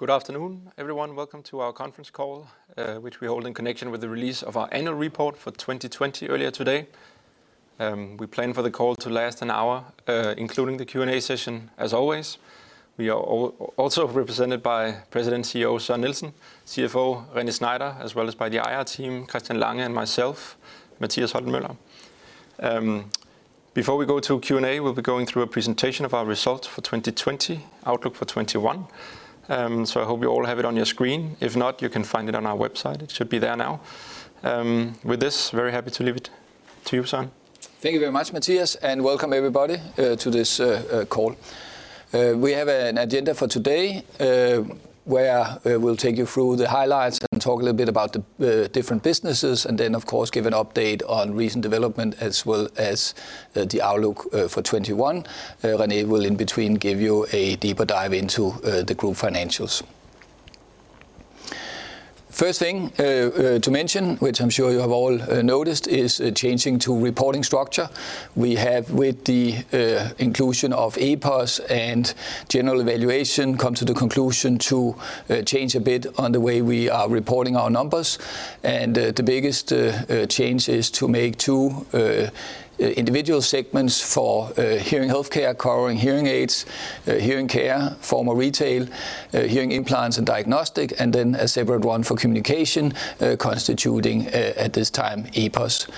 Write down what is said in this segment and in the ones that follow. Good afternoon, everyone. Welcome to our conference call, which we hold in connection with the release of our annual report for 2020, earlier today. We plan for the call to last an hour, including the Q&A session, as always. We are also represented by President CEO Søren Nielsen, CFO René Schneider, as well as by the IR team, Christian Lange and myself, Mathias Holten Møller. Before we go to Q&A, we'll be going through a presentation of our results for 2020, outlook for 2021. I hope you all have it on your screen. If not, you can find it on our website. It should be there now. With this, very happy to leave it to you, Søren. Thank you very much, Mathias, and welcome everybody to this call. We have an agenda for today, where we'll take you through the highlights and talk a little bit about the different businesses, and then, of course, give an update on recent development as well as the outlook for 2021. René will, in between, give you a deeper dive into the group financials. First thing to mention, which I'm sure you have all noticed, is a changing to reporting structure. We have, with the inclusion of EPOS and general evaluation, come to the conclusion to change a bit on the way we are reporting our numbers. The biggest change is to make two individual segments for Hearing Healthcare covering hearing aids, hearing care, former retail, hearing implants, and diagnostic, and then a separate one for Communication, constituting, at this time, EPOS.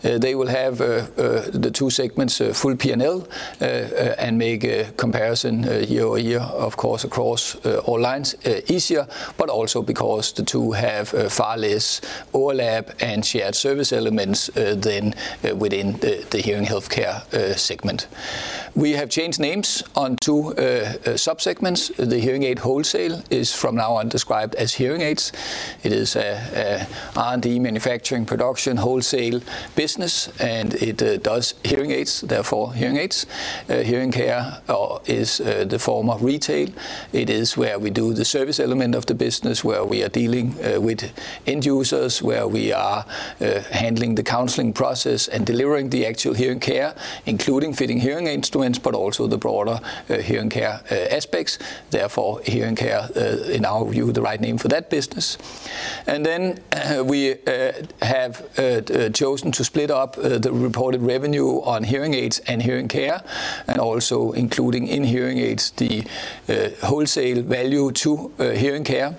They will have, the two segments, full P&L, and make a comparison year-over-year, of course, across all lines easier, but also because the two have far less overlap and shared service elements than within the hearing healthcare segment. We have changed names on two sub-segments. The hearing aid wholesale is from now on described as hearing aids. It is a R&D manufacturing production wholesale business, and it does hearing aids, therefore hearing aids. Hearing care is the form of retail. It is where we do the service element of the business, where we are dealing with end users, where we are handling the counseling process and delivering the actual hearing care, including fitting hearing instruments, but also the broader hearing care aspects. Therefore, hearing care, in our view, the right name for that business. We have chosen to split up the reported revenue on hearing aids and hearing care, also including in hearing aids, the wholesale value to hearing care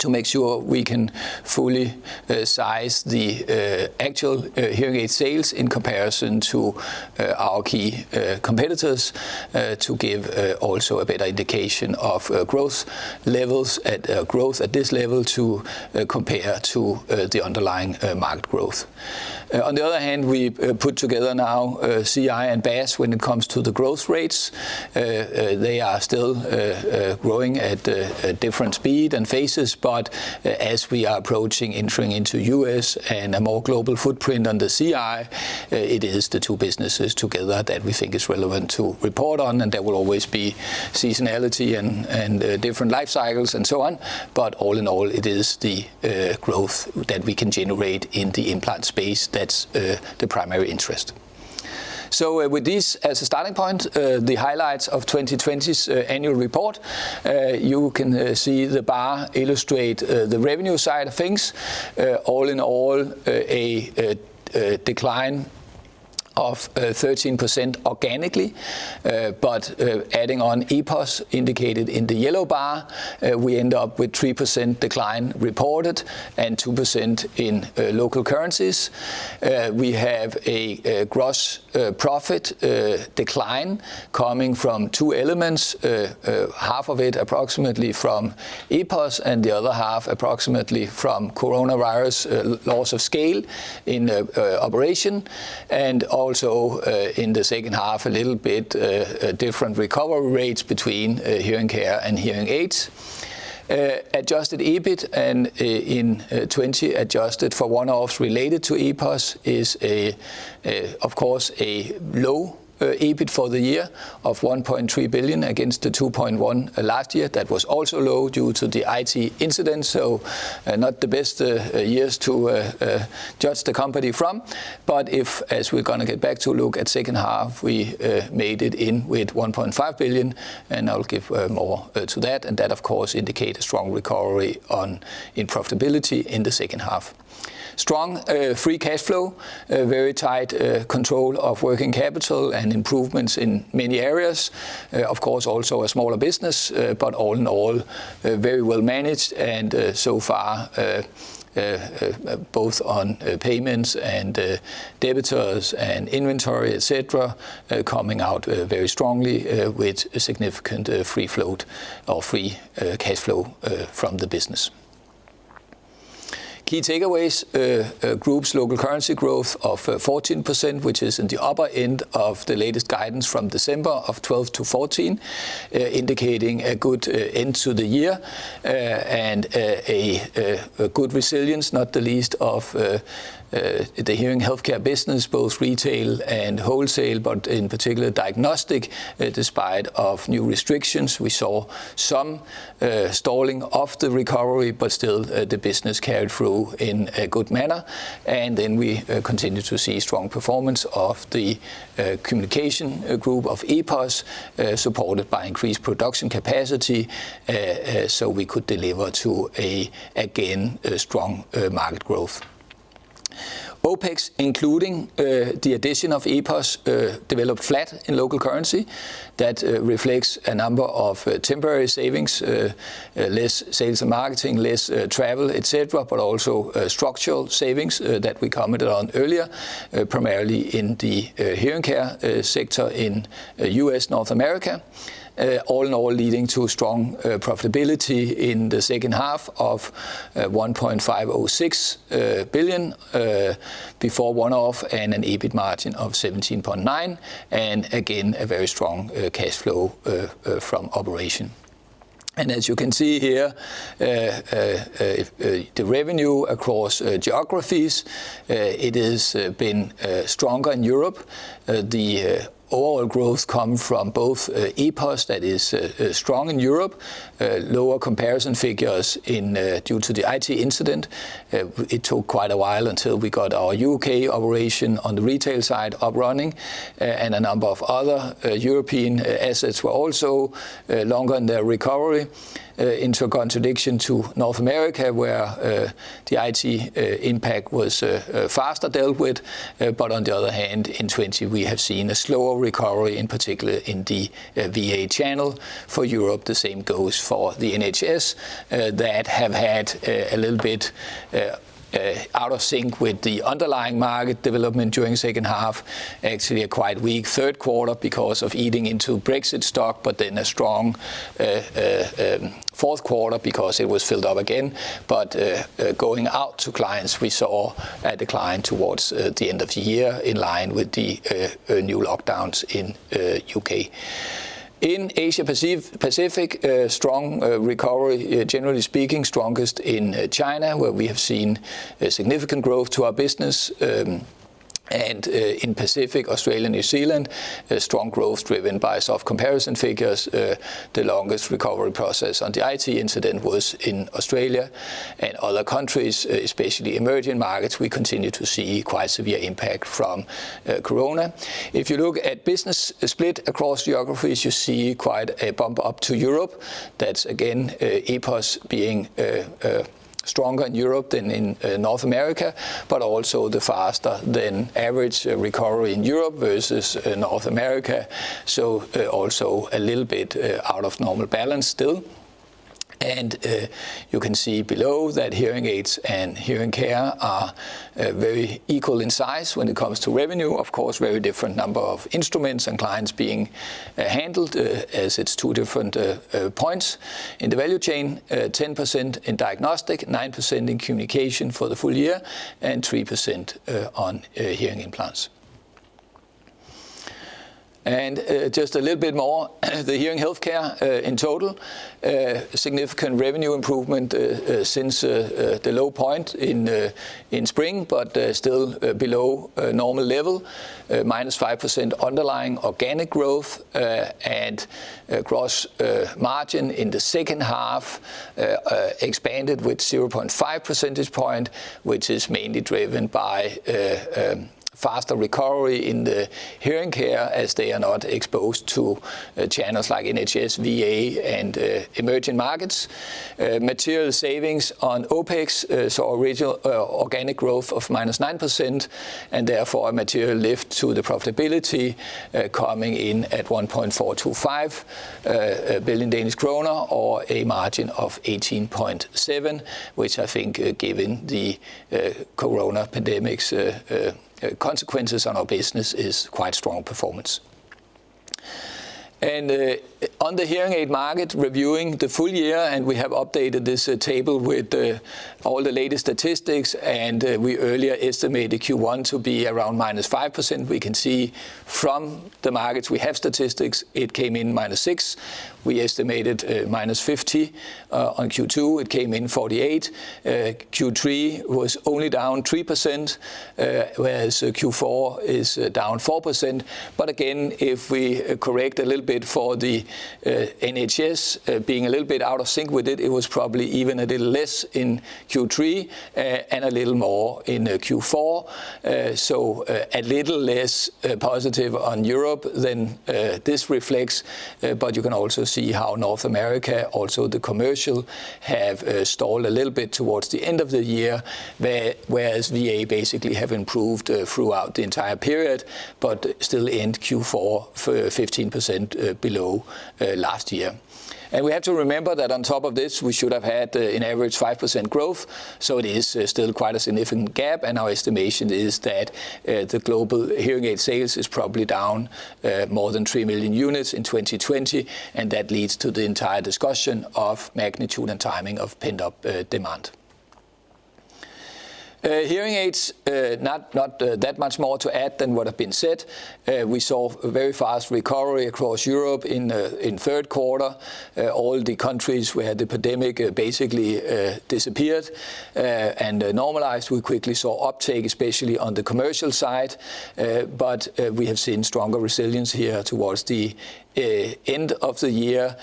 to make sure we can fully size the actual hearing aid sales in comparison to our key competitors, to give also a better indication of growth levels at this level to compare to the underlying market growth. On the other hand, we put together now CI and BAHS when it comes to the growth rates. They are still growing at a different speed and phases, as we are approaching entering into the U.S. and a more global footprint under CI, it is the two businesses together that we think is relevant to report on. There will always be seasonality and different life cycles and so on. All in all, it is the growth that we can generate in the implant space that's the primary interest. With this as a starting point, the highlights of 2020's annual report, you can see the bar illustrate the revenue side of things. All in all, a decline of 13% organically, but adding on EPOS indicated in the yellow bar, we end up with 3% decline reported and 2% in local currencies. We have a gross profit decline coming from two elements, half of it approximately from EPOS and the other half approximately from coronavirus loss of scale in operation, and also, in the second half, a little bit different recovery rates between hearing care and hearing aids. Adjusted EBIT and in 2020, adjusted for one-offs related to EPOS is, of course, a low EBIT for the year of 1.3 billion against 2.1 last year. That was also low due to the IT incident. Not the best years to judge the company from. If, as we're going to get back to look at second half, we made it in with 1.5 billion, and I'll give more to that, and that of course indicate a strong recovery in profitability in the second half. Strong free cash flow, very tight control of working capital and improvements in many areas. Of course, also a smaller business, but all in all, very well managed and so far, both on payments and debtors and inventory, et cetera, coming out very strongly with significant free float or free cash flow from the business. Key takeaways, group's local currency growth of 14%, which is in the upper end of the latest guidance from December of 12%-14%, indicating a good end to the year and a good resilience, not the least of the hearing healthcare business, both retail and wholesale, but in particular diagnostics, despite new restrictions. We saw some stalling of the recovery, still the business carried through in a good manner. We continue to see strong performance of the communication group of EPOS, supported by increased production capacity, we could deliver to, again, a strong market growth. OPEX, including the addition of EPOS, developed flat in local currency. That reflects a number of temporary savings, less sales and marketing, less travel, et cetera, also structural savings that we commented on earlier, primarily in the hearing care sector in U.S., North America. All in all, leading to a strong profitability in the second half of 1.506 billion, before one-off and an EBIT margin of 17.9%, and again, a very strong cash flow from operation. As you can see here, the revenue across geographies, it has been stronger in Europe. The overall growth come from both EPOS, that is strong in Europe, lower comparison figures due to the IT incident. It took quite a while until we got our U.K. operation on the retail side up running, and a number of other European assets were also longer in their recovery. In contradiction to North America, where the IT impact was faster dealt with. On the other hand, in 2020, we have seen a slower recovery, in particular in the VA channel. For Europe, the same goes for the NHS, that have had a little bit out of sync with the underlying market development during second half. Actually, a quite weak third quarter because of eating into Brexit stock, but then a strong fourth quarter because it was filled up again. Going out to clients, we saw a decline towards the end of the year, in line with the new lockdowns in U.K. In Asia-Pacific, strong recovery, generally speaking, strongest in China, where we have seen a significant growth to our business. In Pacific, Australia, New Zealand, strong growth driven by soft comparison figures. The longest recovery process on the IT incident was in Australia. Other countries, especially emerging markets, we continue to see quite severe impact from corona. If you look at business split across geographies, you see quite a bump up to Europe. That's again, EPOS being stronger in Europe than in North America, also the faster than average recovery in Europe versus in North America. Also a little bit out of normal balance still. You can see below that hearing aids and hearing care are very equal in size when it comes to revenue. Of course, very different number of instruments and clients being handled as it's two different points in the value chain. 10% in diagnostic, 9% in communication for the full year, 3% on hearing implants. Just a little bit more, the hearing healthcare in total, significant revenue improvement since the low point in spring, still below normal level, minus 5% underlying organic growth. Gross margin in the second half expanded with 0.5 percentage point, which is mainly driven by faster recovery in the hearing care, as they are not exposed to channels like NHS, VA, and emerging markets. Material savings on OPEX, original organic growth of minus 9%, therefore a material lift to the profitability, coming in at 1.425 billion Danish kroner, or a margin of 18.7%, which I think, given the corona pandemic's consequences on our business, is quite strong performance. On the hearing aid market, reviewing the full year, we have updated this table with all the latest statistics, we earlier estimated Q1 to be around minus 5%. We can see from the markets we have statistics, it came in minus 6%. We estimated minus 50% on Q2, it came in 48%. Q3 was only down 3%, whereas Q4 is down 4%. Again, if we correct a little bit for the NHS being a little bit out of sync with it was probably even a little less in Q3 and a little more in Q4. A little less positive on Europe than this reflects, but you can also see how North America, also the commercial, have stalled a little bit towards the end of the year, whereas VA basically have improved throughout the entire period, but still end Q4 15% below last year. We have to remember that on top of this, we should have had an average 5% growth. It is still quite a significant gap, and our estimation is that the global hearing aid sales is probably down more than 3 million units in 2020. That leads to the entire discussion of magnitude and timing of pent-up demand. Hearing aids, not that much more to add than what has been said. We saw a very fast recovery across Europe in the third quarter. All the countries where the pandemic basically disappeared and normalized, we quickly saw uptake, especially on the commercial side. We have seen stronger resilience here towards the end of the year.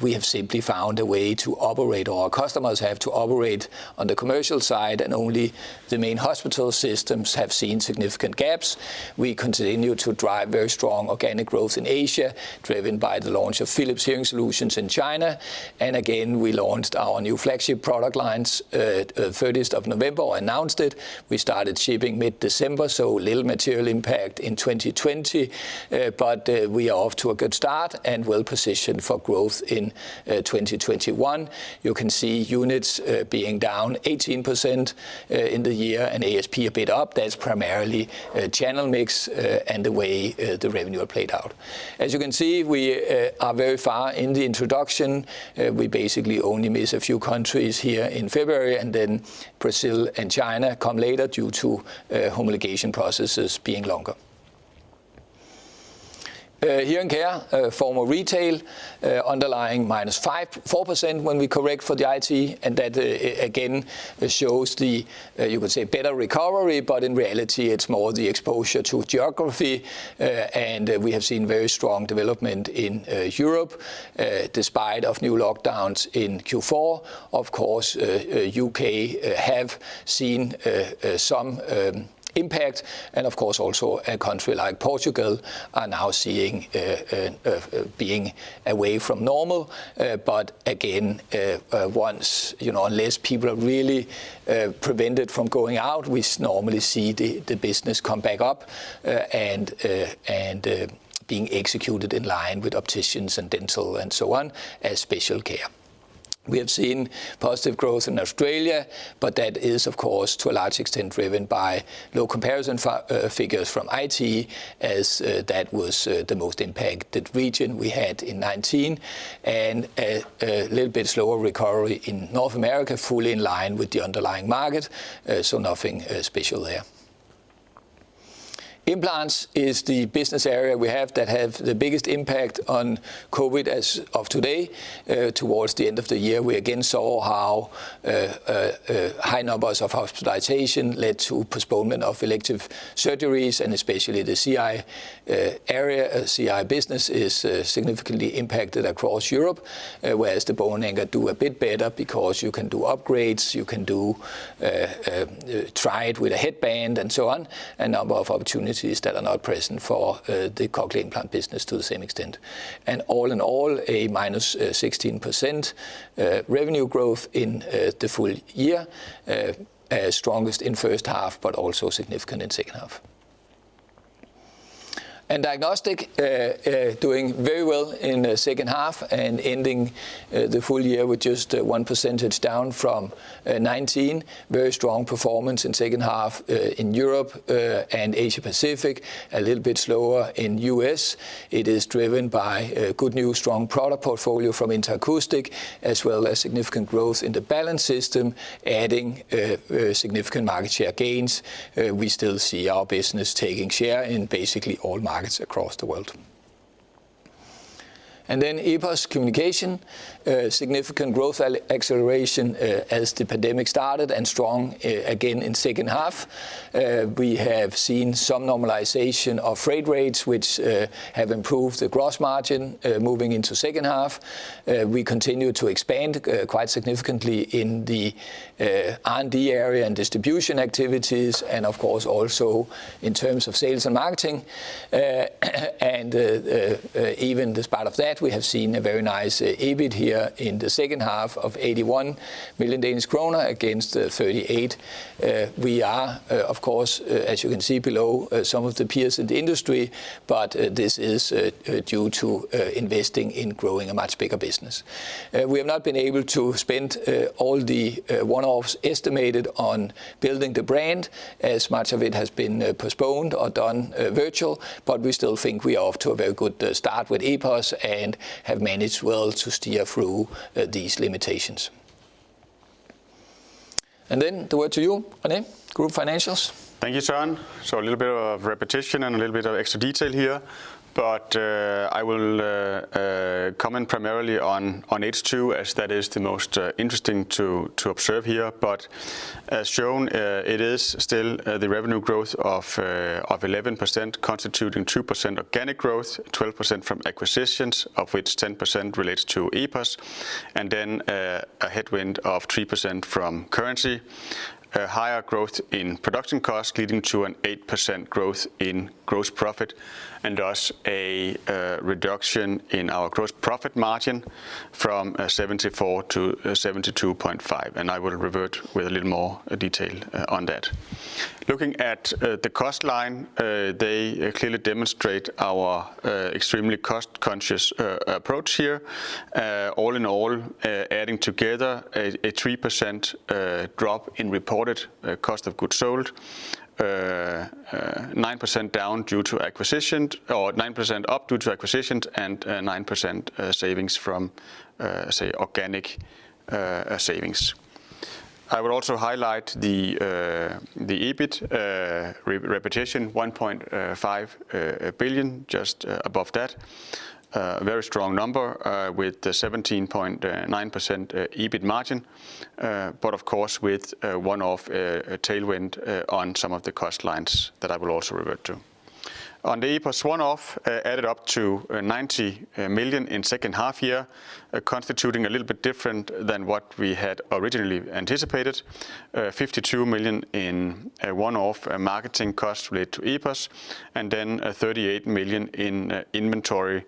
We have simply found a way to operate, or our customers have, to operate on the commercial side. Only the main hospital systems have seen significant gaps. We continue to drive very strong organic growth in Asia, driven by the launch of Philips Hearing Solutions in China. Again, we launched our new flagship product lines 30th of November, or announced it. We started shipping mid-December, a little material impact in 2020. We are off to a good start and well-positioned for growth in 2021. You can see units being down 18% in the year and ASP a bit up. That is primarily channel mix and the way the revenue played out. As you can see, we are very far in the introduction. We basically only miss a few countries here in February, Brazil and China come later due to homologation processes being longer. Hearing care, former retail, underlying minus 4% when we correct for the IT, that again, shows the, you could say, better recovery, but in reality, it's more the exposure to geography. We have seen very strong development in Europe despite of new lockdowns in Q4. Of course, U.K. have seen some impact, of course, also a country like Portugal are now seeing being away from normal. Again, unless people are really prevented from going out, we normally see the business come back up and being executed in line with opticians and dental so on as special care. We have seen positive growth in Australia. That is, of course, to a large extent driven by low comparison figures from IT, as that was the most impacted region we had in 2019, and a little bit slower recovery in North America, fully in line with the underlying market. Nothing special there. Implants is the business area we have that have the biggest impact on COVID as of today. Towards the end of the year, we again saw how high numbers of hospitalization led to postponement of elective surgeries, and especially the CI area. CI business is significantly impacted across Europe, whereas the bone anchor do a bit better because you can do upgrades, you can try it with a headband and so on. A number of opportunities that are not present for the cochlear implant business to the same extent. All in all, a minus 16% revenue growth in the full year. Strongest in the first half, also significant in the second half. Diagnostic, doing very well in the second half and ending the full year with just one percentage down from 2019. Very strong performance in the second half in Europe and Asia-Pacific, a little bit slower in the U.S. It is driven by good new strong product portfolio from Interacoustics, as well as significant growth in the balance system, adding significant market share gains. We still see our business taking share in basically all markets across the world. EPOS Communication. Significant growth acceleration as the pandemic started and strong again in the second half. We have seen some normalization of freight rates, which have improved the gross margin moving into the second half. We continue to expand quite significantly in the R&D area and distribution activities, and of course, also in terms of sales and marketing. Even despite of that, we have seen a very nice EBIT here in the second half of 81 million Danish kroner against 38. We are, of course, as you can see below, some of the peers in the industry, this is due to investing in growing a much bigger business. We have not been able to spend all the one-offs estimated on building the brand, as much of it has been postponed or done virtual, we still think we are off to a very good start with EPOS and have managed well to steer through these limitations. Then the word to you, René. Group financials. Thank you, Søren. A little bit of repetition and a little bit of extra detail here, but I will comment primarily on H2, as that is the most interesting to observe here. As shown, it is still the revenue growth of 11%, constituting 2% organic growth, 12% from acquisitions, of which 10% relates to EPOS, then a headwind of 3% from currency. A higher growth in production cost, leading to an 8% growth in gross profit, and thus a reduction in our gross profit margin from 74 to 72.5. I will revert with a little more detail on that. Looking at the cost line, they clearly demonstrate our extremely cost-conscious approach here. All in all, adding together a 3% drop in reported cost of goods sold, 9% up due to acquisitions, and a 9% savings from, say, organic savings. I would also highlight the EBIT result, 1.5 billion, just above that. A very strong number with the 17.9% EBIT margin, of course with a one-off tailwind on some of the cost lines that I will also revert to. On the EPOS one-off, added up to 90 million in second half-year, constituting a little bit different than what we had originally anticipated. 52 million in a one-off marketing cost related to EPOS, then 38 million in inventory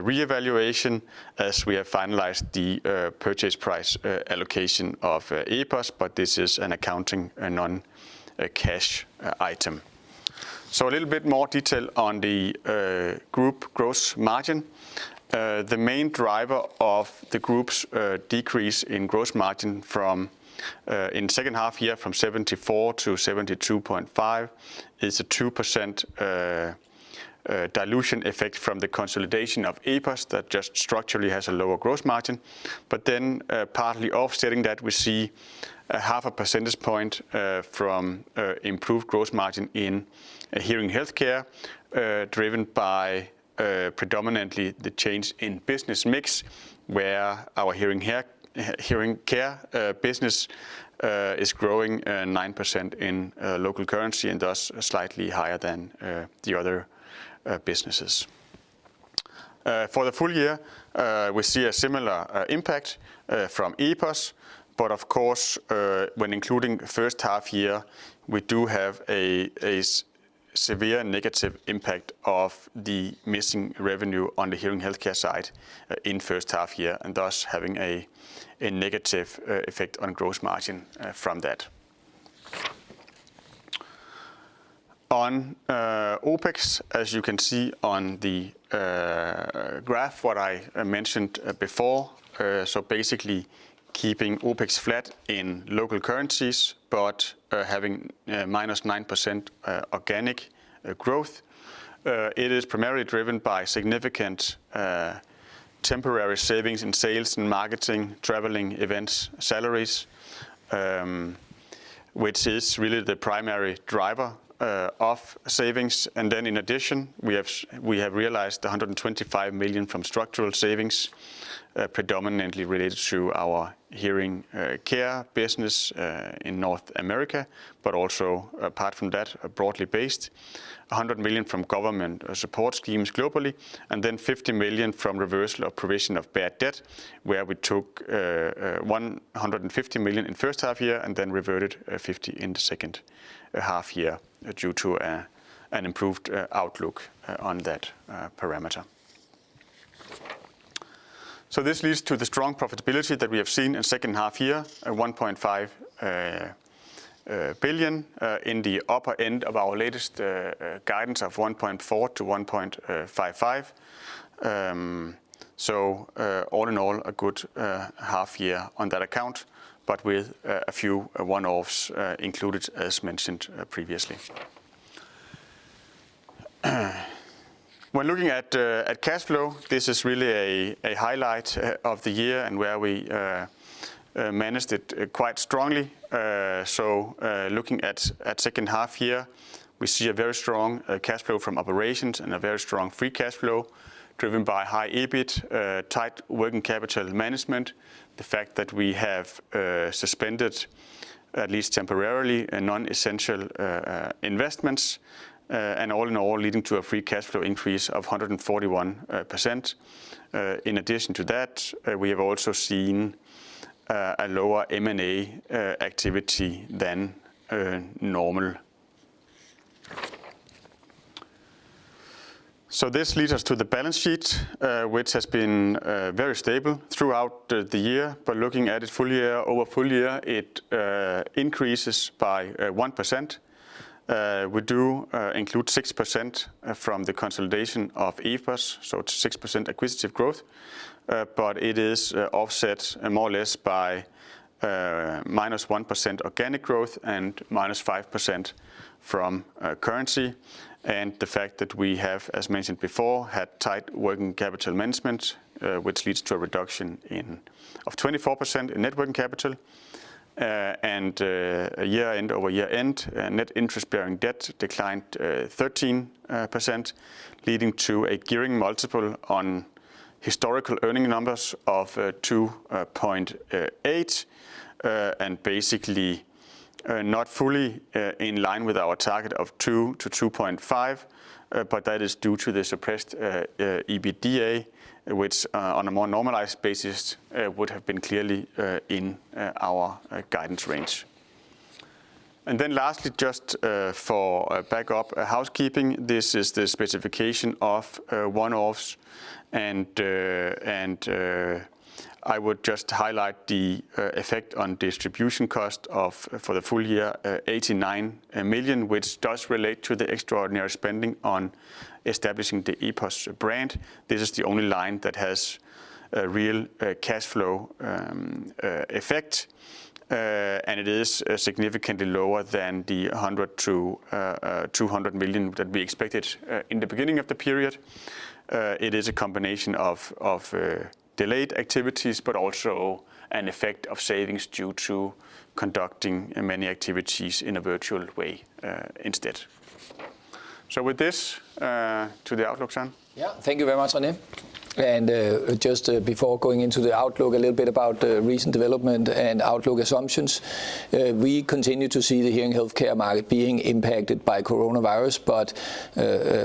re-evaluation as we have finalized the purchase price allocation of EPOS, this is an accounting and non-cash item. A little bit more detail on the group gross margin. The main driver of the group's decrease in gross margin in second half-year from 74%-72.5%, is a 2% dilution effect from the consolidation of EPOS that just structurally has a lower gross margin. Partly offsetting that, we see a half a percentage point from improved gross margin in hearing healthcare, driven by predominantly the change in business mix, where our hearing care business is growing 9% in local currency and thus slightly higher than the other businesses. For the full year, we see a similar impact from EPOS, but of course, when including first half-year, we do have a severe negative impact of the missing revenue on the hearing healthcare side in first half-year, and thus having a negative effect on gross margin from that. On OPEX, as you can see on the graph what I mentioned before, basically keeping OPEX flat in local currencies, but having minus 9% organic growth. It is primarily driven by significant temporary savings in sales and marketing, traveling, events, salaries, which is really the primary driver of savings. In addition, we have realized 125 million from structural savings, predominantly related to our hearing care business in North America, but also apart from that, broadly based. 100 million from government support schemes globally, and then 50 million from reversal of provision of bad debt, where we took 150 million in first half year and then reverted 50 in the second half year due to an improved outlook on that parameter. This leads to the strong profitability that we have seen in second half year, 1.5 billion in the upper end of our latest guidance of 1.4 billion-1.55 billion. All in all, a good half year on that account, but with a few one-offs included as mentioned previously. When looking at cash flow, this is really a highlight of the year and where we managed it quite strongly. Looking at second half year, we see a very strong cash flow from operations and a very strong free cash flow driven by high EBIT, tight working capital management. The fact that we have suspended, at least temporarily, non-essential investments, and all in all leading to a free cash flow increase of 141%. In addition to that, we have also seen a lower M&A activity than normal. This leads us to the balance sheet, which has been very stable throughout the year, but looking at it over full year, it increases by 1%. We do include 6% from the consolidation of EPOS, so it's 6% acquisitive growth. It is offset more or less by minus 1% organic growth and minus 5% from currency. The fact that we have, as mentioned before, had tight working capital management, which leads to a reduction of 24% in net working capital. Year-end over year-end, net interest-bearing debt declined 13%, leading to a gearing multiple on historical earning numbers of 2.8, and basically not fully in line with our target of 2-2.5. That is due to the suppressed EBITDA, which on a more normalized basis, would have been clearly in our guidance range. Lastly, just for backup housekeeping, this is the specification of one-offs, I would just highlight the effect on distribution cost for the full year, 89 million, which does relate to the extraordinary spending on establishing the EPOS brand. This is the only line that has a real cash flow effect. It is significantly lower than the 100 million-200 million that we expected in the beginning of the period. It is a combination of delayed activities, but also an effect of savings due to conducting many activities in a virtual way instead. With this, to the outlook, Jan. Thank you very much, René. Just before going into the outlook, a little bit about recent development and outlook assumptions. We continue to see the hearing healthcare market being impacted by coronavirus,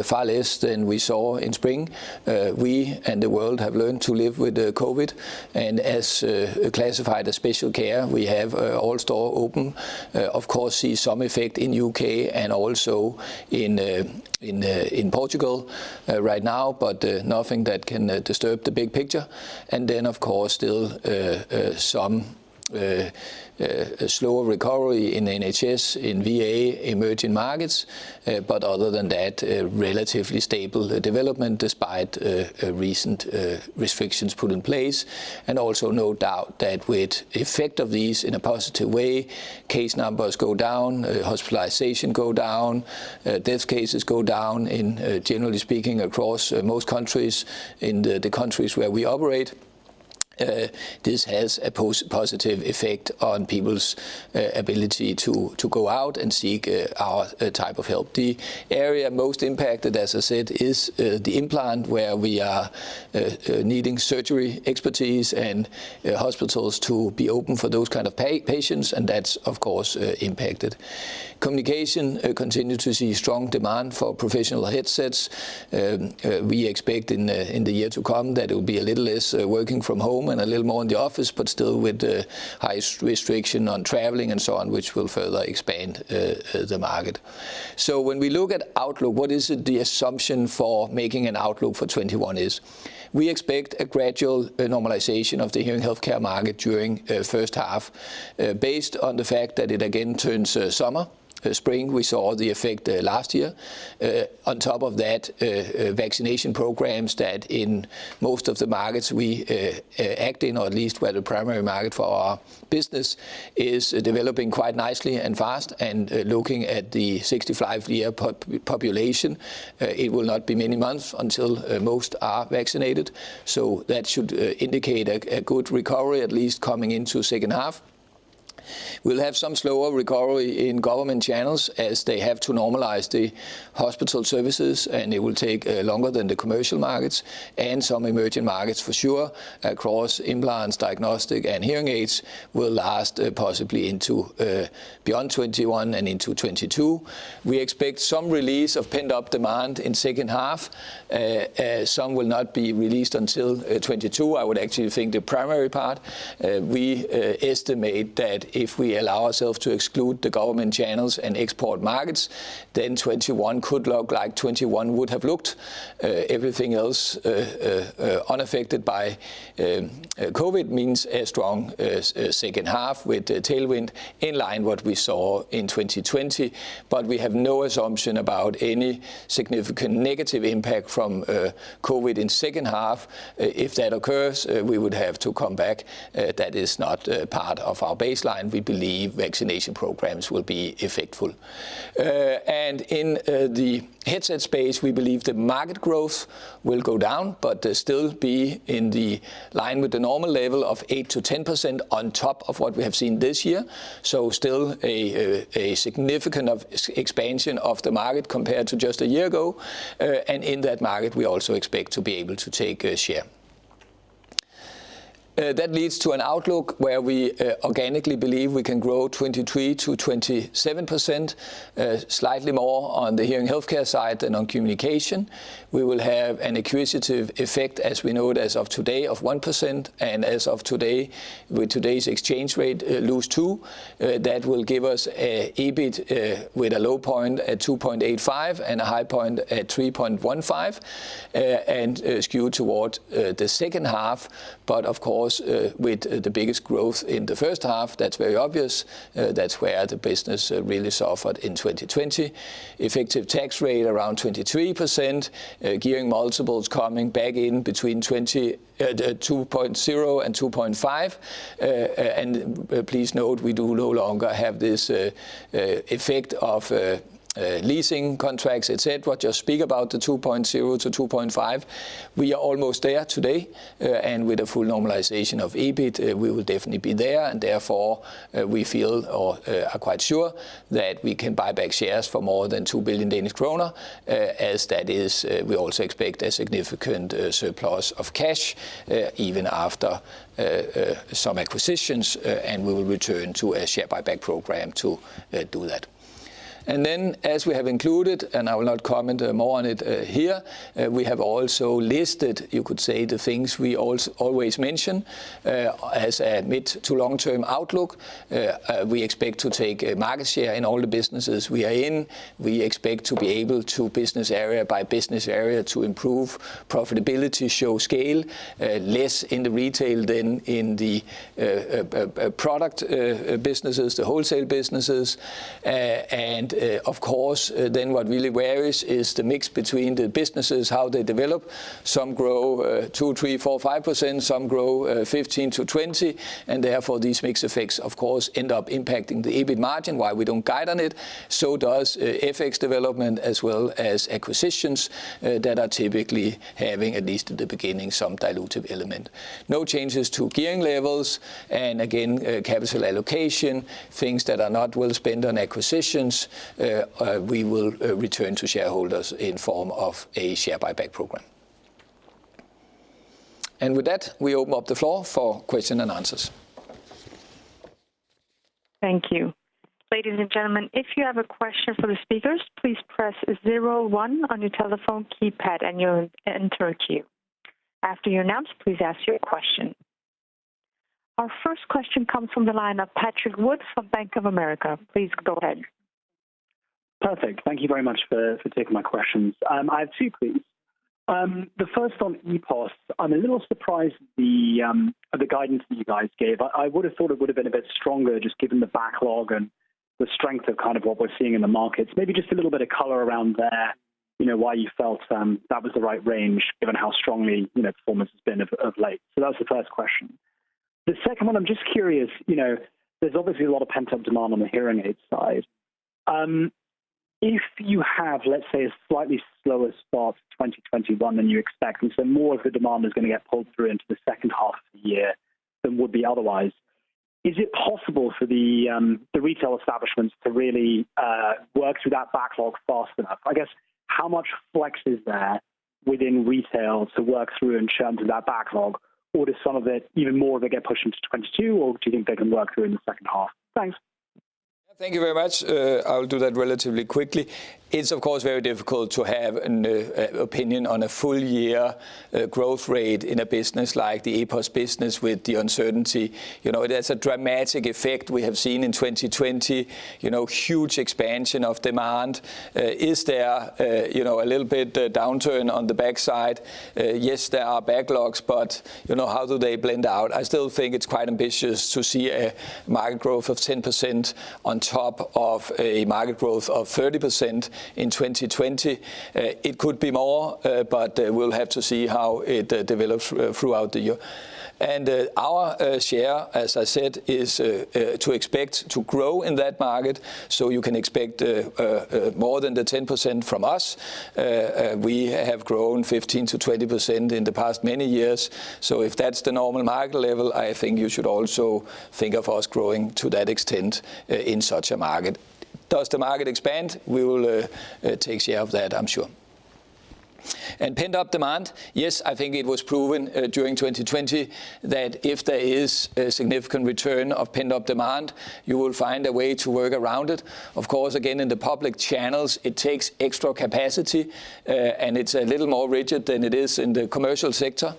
far less than we saw in spring. We and the world have learned to live with COVID. As classified as special care, we have all stores open. Of course, see some effect in U.K. and also in Portugal right now, nothing that can disturb the big picture. Of course, still some slower recovery in NHS, in VA, emerging markets. Other than that, relatively stable development despite recent restrictions put in place, also no doubt that with effect of these in a positive way, case numbers go down, hospitalization go down, death cases go down, generally speaking, across most countries, in the countries where we operate. This has a positive effect on people's ability to go out and seek our type of help. The area most impacted, as I said, is the implant, where we are needing surgery expertise and hospitals to be open for those kind of patients, and that's, of course, impacted. Communication continues to see strong demand for professional headsets. We expect in the year to come that it'll be a little less working from home and a little more in the office, but still with the high restriction on traveling and so on, which will further expand the market. When we look at outlook, what is the assumption for making an outlook for 2021 is we expect a gradual normalization of the hearing healthcare market during first half, based on the fact that it again turns summer. Spring, we saw the effect last year. On top of that, vaccination programs that in most of the markets we act in, or at least where the primary market for our business, is developing quite nicely and fast. Looking at the 65-year population, it will not be many months until most are vaccinated. That should indicate a good recovery, at least coming into second half. We'll have some slower recovery in government channels as they have to normalize the hospital services, and it will take longer than the commercial markets, and some emerging markets for sure, across implants, diagnostic, and hearing aids will last possibly into beyond 2021 and into 2022. We expect some release of pent-up demand in second half. Some will not be released until 2022, I would actually think the primary part. We estimate that if we allow ourselves to exclude the government channels and export markets, 2021 could look like 2021 would have looked. Everything else unaffected by COVID means a strong second half with a tailwind in line with what we saw in 2020. We have no assumption about any significant negative impact from COVID in second half. If that occurs, we would have to come back. That is not part of our baseline. We believe vaccination programs will be effectful. In the headset space, we believe the market growth will go down, but still be in line with the normal level of 8%-10% on top of what we have seen this year. Still a significant expansion of the market compared to just a year ago. In that market, we also expect to be able to take a share. That leads to an outlook where we organically believe we can grow 23%-27%, slightly more on the hearing healthcare side than on communication. We will have an acquisitive effect, as we know it as of today, of 1%, and as of today, with today's exchange rate, lose 2%. That will give us EBIT with a low point at 2.85 billion and a high point at 3.15 billion, and skewed toward the second half. Of course, with the biggest growth in the first half, that's very obvious. That's where the business really suffered in 2020. Effective tax rate around 23%, gearing multiples coming back in between 2.0 and 2.5. Please note, we do no longer have this effect of leasing contracts, et cetera. Just speak about the 2.0 to 2.5. We are almost there today. With the full normalization of EBIT, we will definitely be there. Therefore we feel or are quite sure that we can buy back shares for more than 2 billion Danish kroner, as that is, we also expect a significant surplus of cash, even after some acquisitions. We will return to a share buyback program to do that. As we have included, I will not comment more on it here, we have also listed, you could say, the things we always mention as a mid to long-term outlook. We expect to take market share in all the businesses we are in. We expect to be able to, business area by business area, to improve profitability, show scale. Less in the retail than in the product businesses, the wholesale businesses. Of course, what really varies is the mix between the businesses, how they develop. Some grow 2%, 3%, 4%, 5%. Some grow 15%-20%, and therefore these mix effects, of course, end up impacting the EBIT margin, why we do not guide on it. So does FX development as well as acquisitions that are typically having, at least at the beginning, some dilutive element. No changes to gearing levels. Again, capital allocation, things that are not well spent on acquisitions, we will return to shareholders in form of a share buyback program. With that, we open up the floor for question and answers. Thank you. Ladies and gentlemen, if you have a question for the speakers, please press zero one on your telephone keypad and you'll enter a queue. After you're announced, please ask your question. Our first question comes from the line of Patrick Wood from Bank of America. Please go ahead. Perfect. Thank you very much for taking my questions. I have two, please. The first on EPOS. I'm a little surprised the guidance that you guys gave. I would've thought it would've been a bit stronger, just given the backlog and the strength of what we're seeing in the markets. Maybe just a little bit of color around there, why you felt that was the right range, given how strong performance has been of late. That was the first question. The second one, I'm just curious, there's obviously a lot of pent-up demand on the hearing aid side. If you have, let's say, a slightly slower start to 2021 than you expect, and so more of the demand is going to get pulled through into the second half of the year than would be otherwise. Is it possible for the retail establishments to really work through that backlog fast enough? I guess, how much flex is there within retail to work through and churn through that backlog? Or does some of it, even more of it, get pushed into 2022 or do you think they can work through in the second half? Thanks. Thank you very much. I'll do that relatively quickly. It's, of course, very difficult to have an opinion on a full year growth rate in a business like the EPOS business with the uncertainty. There's a dramatic effect we have seen in 2020. Huge expansion of demand. Is there a little bit downturn on the backside? Yes, there are backlogs, but how do they blend out? I still think it's quite ambitious to see a market growth of 10% on top of a market growth of 30% in 2020. It could be more, but we'll have to see how it develops throughout the year. Our share, as I said, is to expect to grow in that market, so you can expect more than the 10% from us. We have grown 15%-20% in the past many years. If that's the normal market level, I think you should also think of us growing to that extent in such a market. Does the market expand? We will take share of that, I'm sure. Pent-up demand. Yes, I think it was proven during 2020 that if there is a significant return of pent-up demand, you will find a way to work around it. Of course, again, in the public channels, it takes extra capacity, and it's a little more rigid than it is in the commercial sector.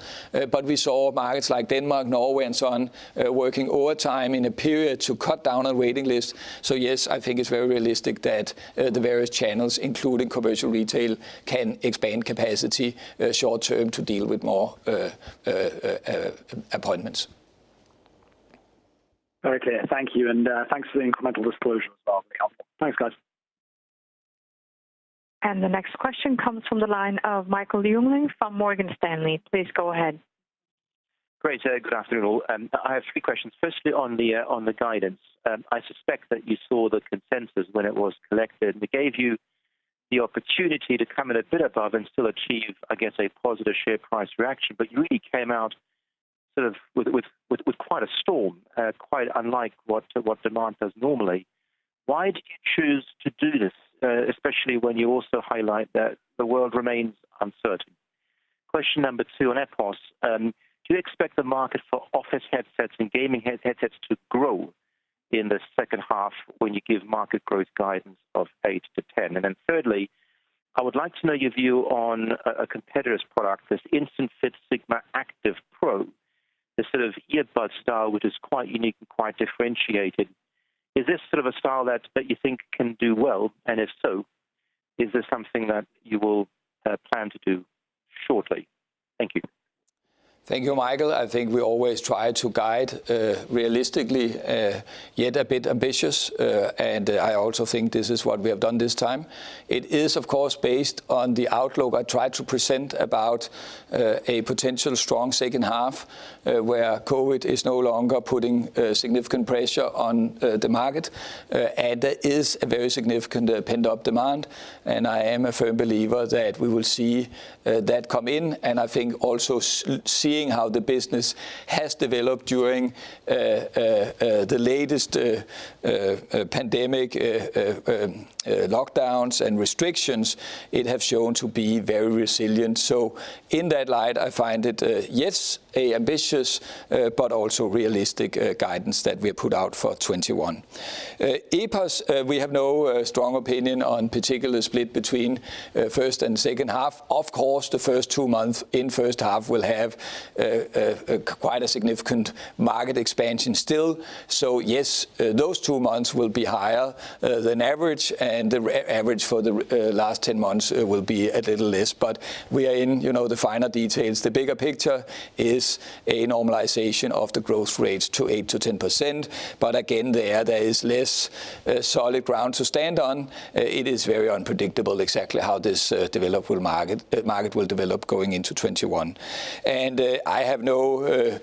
We saw markets like Denmark, Norway, and so on, working overtime in a period to cut down on waiting lists. Yes, I think it's very realistic that the various channels, including commercial retail, can expand capacity short term to deal with more appointments. Very clear. Thank you, and thanks for the incremental disclosure as well. Thanks, guys. The next question comes from the line of Michael Duering from Morgan Stanley. Please go ahead. Great. Good afternoon all. I have three questions. Firstly, on the guidance. I suspect that you saw the consensus when it was collected, and it gave you the opportunity to come in a bit above and still achieve, I guess, a positive share price reaction. You really came out sort of with quite a storm, quite unlike what Demant does normally. Why did you choose to do this, especially when you also highlight that the world remains uncertain? Question number two on EPOS. Do you expect the market for office headsets and gaming headsets to grow in the second half when you give market growth guidance of 8 to 10? Thirdly, I would like to know your view on a competitor's product, this Instant-Fit Signia Active Pro, the sort of earbud style, which is quite unique and quite differentiated. Is this sort of a style that you think can do well? If so, is this something that you will plan to do shortly? Thank you. Thank you, Michael. I think we always try to guide realistically, yet a bit ambitious. I also think this is what we have done this time. It is, of course, based on the outlook I tried to present about a potential strong second half, where COVID is no longer putting significant pressure on the market. There is a very significant pent-up demand, and I am a firm believer that we will see that come in. I think also seeing how the business has developed during the latest pandemic lockdowns and restrictions, it has shown to be very resilient. In that light, I find it, yes, a ambitious but also realistic guidance that we put out for 2021. EPOS, we have no strong opinion on particular split between first and second half. The first two months in first half will have quite a significant market expansion still. Yes, those two months will be higher than average, and the average for the last 10 months will be a little less. We are in the finer details. The bigger picture is a normalization of the growth rates to 8%-10%. Again, there is less solid ground to stand on. It is very unpredictable exactly how this market will develop going into 2021. I have no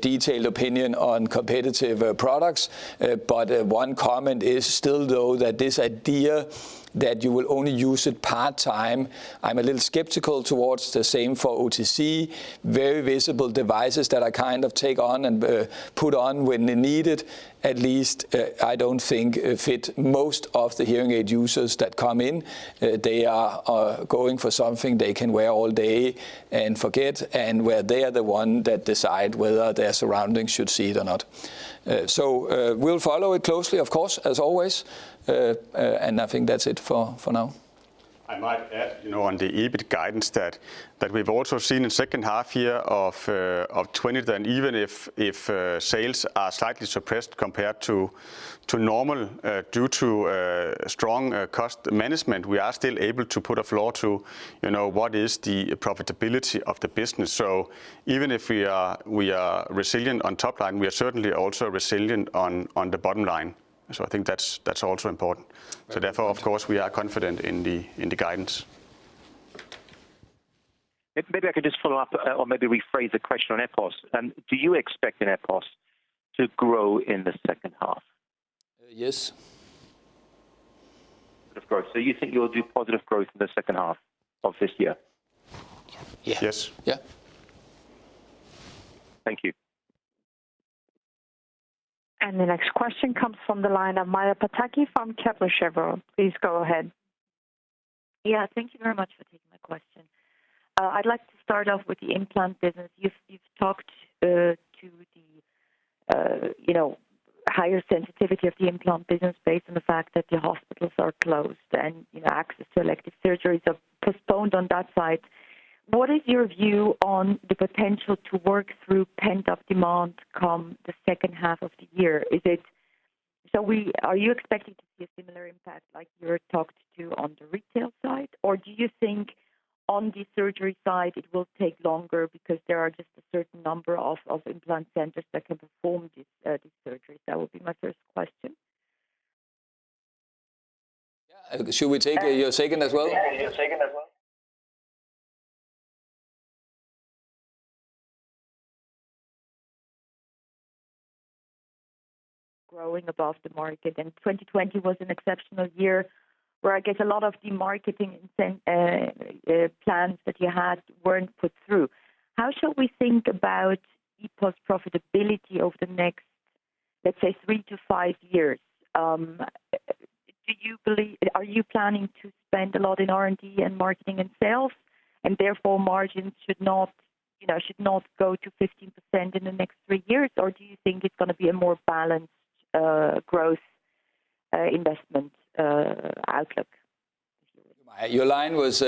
detailed opinion on competitive products. One comment is still, though, that this idea that you will only use it part-time, I'm a little skeptical towards. The same for OTC. Very visible devices that I kind of take on and put on when they're needed. At least I don't think fit most of the hearing aid users that come in. They are going for something they can wear all day and forget, and where they are the one that decide whether their surroundings should see it or not. We'll follow it closely, of course, as always. I think that's it for now. I might add, on the EBIT guidance that we've also seen in second half year of 2020, that even if sales are slightly suppressed compared to normal due to strong cost management, we are still able to put a floor to what is the profitability of the business. Even if we are resilient on top line, we are certainly also resilient on the bottom line. I think that's also important. Therefore, of course, we are confident in the guidance. Maybe I could just follow up or maybe rephrase the question on EPOS. Do you expect an EPOS to grow in the second half? Yes. Of course. You think you'll do positive growth in the second half of this year? Yes. Yes. Yeah. Thank you. The next question comes from the line of Maja Pataki from Kepler Cheuvreux. Please go ahead. Yeah, thank you very much for taking my question. I'd like to start off with the implant business. You've talked to the higher sensitivity of the implant business based on the fact that the hospitals are closed and access to elective surgeries are postponed on that side. What is your view on the potential to work through pent-up demand come the second half of the year? Are you expecting to see a similar impact like you talked to on the retail side, or do you think on the surgery side it will take longer because there are just a certain number of implant centers that can perform these surgeries? That would be my first question. Yeah. Should we take your second as well? Yeah. Your second as well. 2020 was an exceptional year where I guess a lot of the marketing plans that you had weren't put through. How should we think about EPOS profitability over the next, let's say, three to five years? Are you planning to spend a lot in R&D and marketing and sales, and therefore margins should not go to 15% in the next three years? Do you think it's going to be a more balanced growth investment outlook? Your line was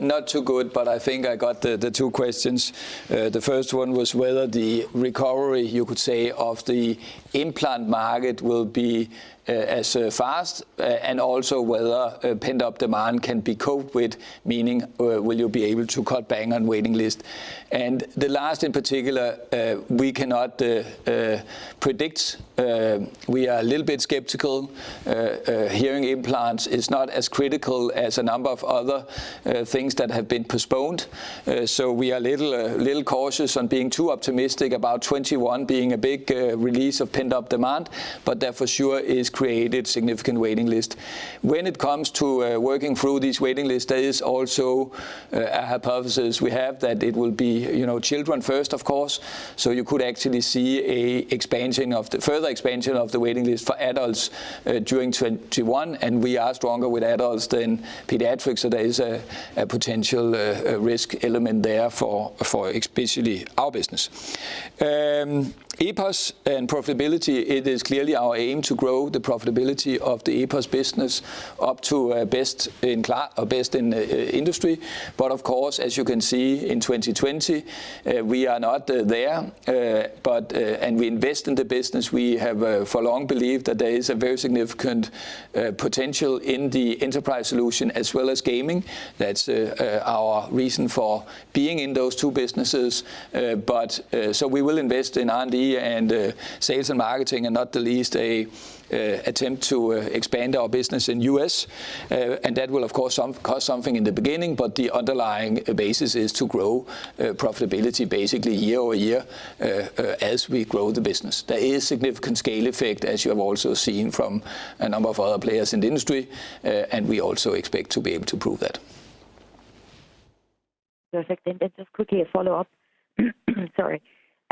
not too good, but I think I got the two questions. The first one was whether the recovery, you could say, of the implant market will be as fast and also whether pent-up demand can be coped with. Meaning, will you be able to cut back on waiting list? The last in particular, we cannot predict. We are a little bit skeptical. Hearing implants is not as critical as a number of other things that have been postponed. We are a little cautious on being too optimistic about 2021 being a big release of pent-up demand, but that for sure has created significant waiting list. When it comes to working through these waiting list, there is also a hypothesis we have that it will be children first, of course. You could actually see a further expansion of the waiting list for adults during 2021, and we are stronger with adults than pediatrics. There is a potential risk element there for especially our business. EPOS and profitability, it is clearly our aim to grow the profitability of the EPOS business up to best in class or best in industry. Of course, as you can see in 2020, we are not there. We invest in the business. We have for long believed that there is a very significant potential in the enterprise solution as well as gaming. That's our reason for being in those two businesses. We will invest in R&D and sales and marketing, and not the least, attempt to expand our business in U.S. That will, of course, cost something in the beginning, but the underlying basis is to grow profitability basically year-over-year as we grow the business. There is significant scale effect, as you have also seen from a number of other players in the industry. We also expect to be able to prove that. Perfect. Just quickly a follow-up. Sorry.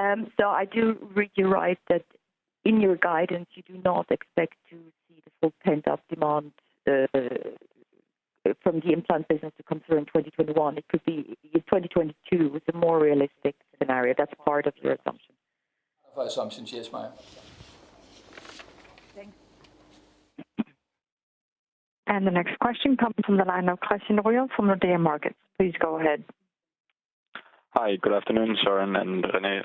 I do read you right that in your guidance, you do not expect to see the full pent-up demand from the implant business to come through in 2021. It could be 2022 with a more realistic scenario that's part of your assumption. Of our assumptions. Yes, Maya. Thanks. The next question comes from the line of Kassian Royall from Nordea Markets. Please go ahead. Hi, good afternoon, Søren and René.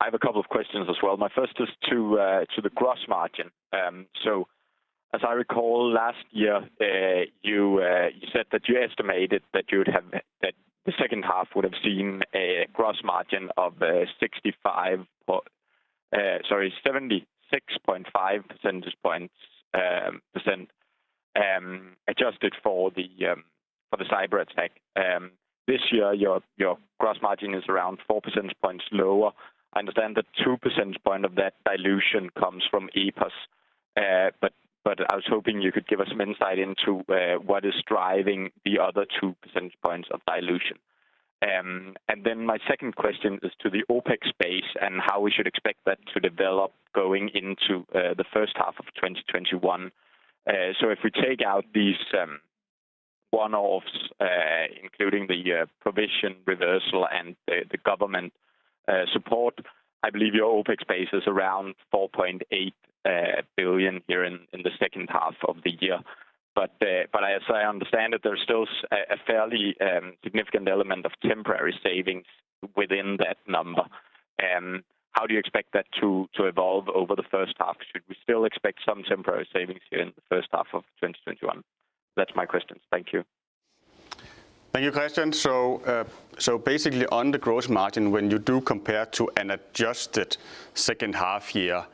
I have a couple of questions as well. My first is to the gross margin. As I recall last year, you said that you estimated that the second half would have seen a gross margin of 76.5% adjusted for the cyberattack. This year, your gross margin is around four percentage points lower. I understand that two percentage point of that dilution comes from EPOS. I was hoping you could give us some insight into what is driving the other two percentage points of dilution. My second question is to the OpEx base and how we should expect that to develop going into the first half of 2021. If we take out these one-offs, including the provision reversal and the government support. I believe your OpEx base is around 4.8 billion here in the second half of the year. As I understand it, there's still a fairly significant element of temporary savings within that number. How do you expect that to evolve over the first half? Should we still expect some temporary savings here in the first half of 2021? That's my questions. Thank you. Thank you, Christian. Basically, on the gross margin, when you do compare to an adjusted second half year,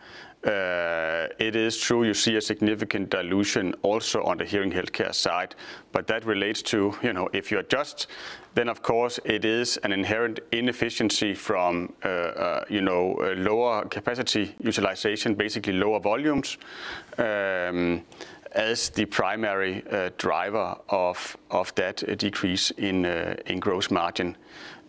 it is true you see a significant dilution also on the hearing healthcare side. That relates to, if you adjust, then of course it is an inherent inefficiency from a lower capacity utilization, basically lower volumes, as the primary driver of that decrease in gross margin.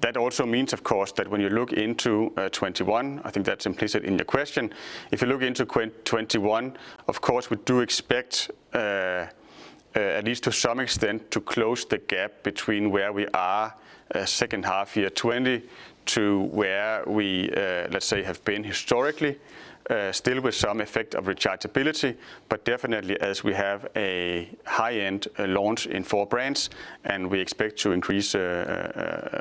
That also means, of course, that when you look into 2021, I think that's implicit in your question. If you look into 2021, of course, we do expect, at least to some extent, to close the gap between where we are second half year 2020 to where we, let's say, have been historically. Still with some effect of rechargeability, but definitely as we have a high-end launch in four brands, and we expect to increase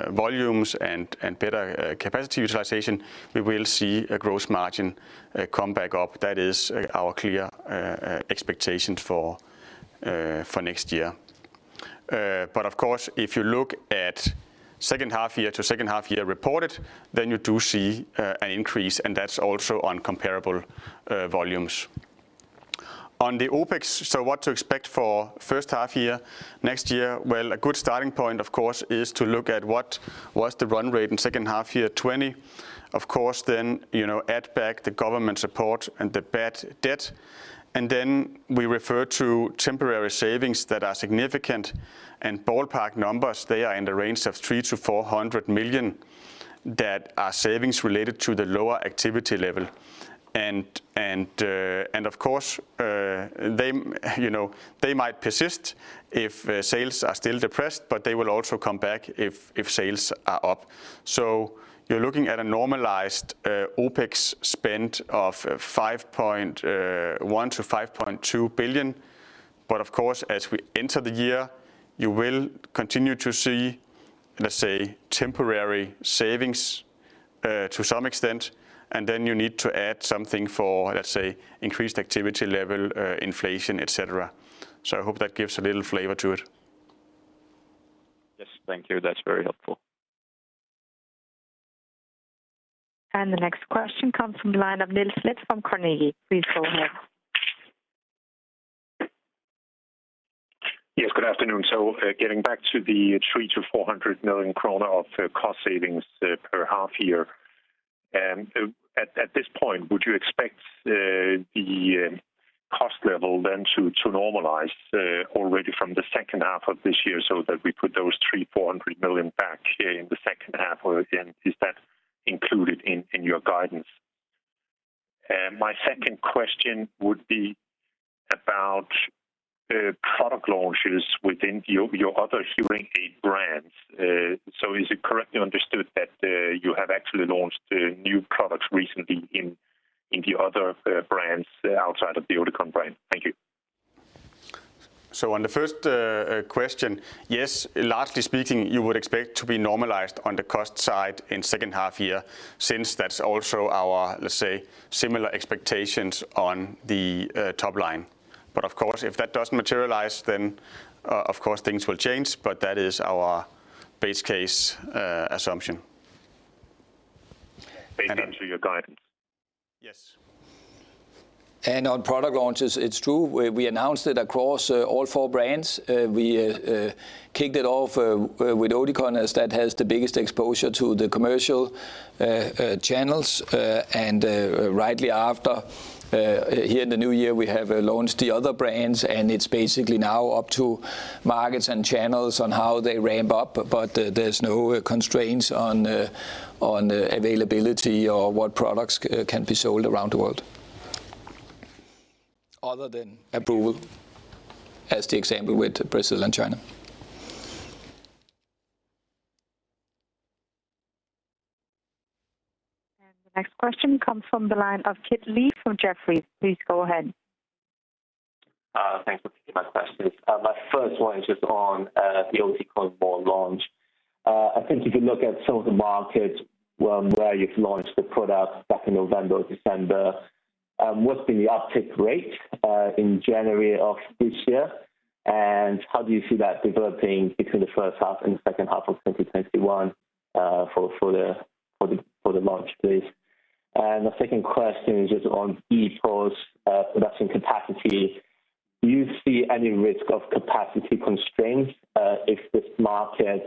volumes and better capacity utilization, we will see a gross margin come back up. That is our clear expectation for next year. Of course, if you look at second half year-to-second half year reported, then you do see an increase, and that's also on comparable volumes. On the OpEx, what to expect for first half year next year, well, a good starting point, of course, is to look at what was the run rate in second half year 2020. Then add back the government support and the bad debt, and then we refer to temporary savings that are significant. Ballpark numbers, they are in the range of 300 million to 400 million that are savings related to the lower activity level. Of course, they might persist if sales are still depressed, but they will also come back if sales are up. You're looking at a normalized OpEx spend of 5.1 billion-5.2 billion. Of course, as we enter the year, you will continue to see, let's say, temporary savings to some extent, and then you need to add something for, let's say, increased activity level, inflation, et cetera. I hope that gives a little flavor to it. Yes. Thank you. That's very helpful. The next question comes from the line of Niels Granholm-Leth from Carnegie. Please go ahead. Yes, good afternoon. Getting back to the 300 million to 400 million kroner of cost savings per half year. At this point, would you expect the cost level then to normalize already from the second half of this year so that we put those 300 million, 400 million back in the second half? Again, is that included in your guidance? My second question would be about product launches within your other hearing aid brands. Is it correctly understood that you have actually launched new products recently in the other brands outside of the Oticon brand? Thank you. On the first question, yes, largely speaking, you would expect to be normalized on the cost side in second half year, since that is also our, let's say, similar expectations on the top line. Of course, if that doesn't materialize, then of course things will change. That is our base case assumption. Based on to your guidance. Yes. On product launches, it's true. We announced it across all four brands. We kicked it off with Oticon, as that has the biggest exposure to the commercial channels. Rightly after, here in the new year, we have launched the other brands, and it's basically now up to markets and channels on how they ramp up. There's no constraints on availability or what products can be sold around the world. Other than approval, as the example with Brazil and China. The next question comes from the line of Kit Lee from Jefferies. Please go ahead. Thanks for taking my questions. My first one is just on the Oticon More launch. I think if you look at some of the markets where you've launched the product back in November or December, what's been the uptick rate in January of this year, and how do you see that developing between the first half and the second half of 2021 for the launch, please? My second question is just on the post-production capacity. Do you see any risk of capacity constraints if this market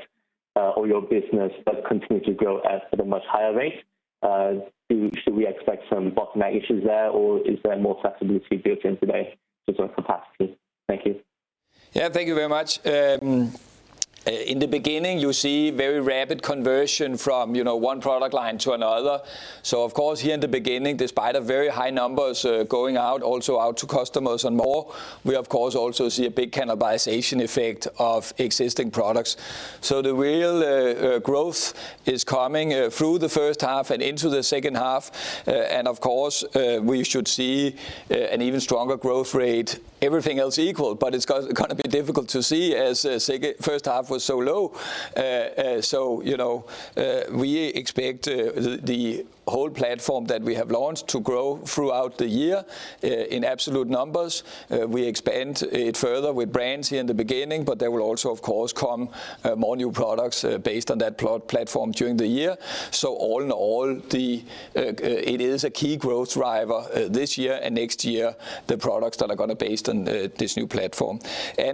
or your business does continue to grow at a much higher rate? Should we expect some bottleneck issues there, or is there more flexibility built in today in terms of capacity? Thank you. Yeah. Thank you very much. In the beginning, you see very rapid conversion from one product line to another. Of course, here in the beginning, despite very high numbers going out, also out to customers and More, we of course also see a big cannibalization effect of existing products. The real growth is coming through the first half and into the second half. Of course, we should see an even stronger growth rate, everything else equal. It's going to be difficult to see as first half was so low. We expect the whole platform that we have launched to grow throughout the year in absolute numbers. We expand it further with brands here in the beginning, but there will also, of course, come more new products based on that platform during the year. All in all, it is a key growth driver this year and next year, the products that are going to be based on this new platform.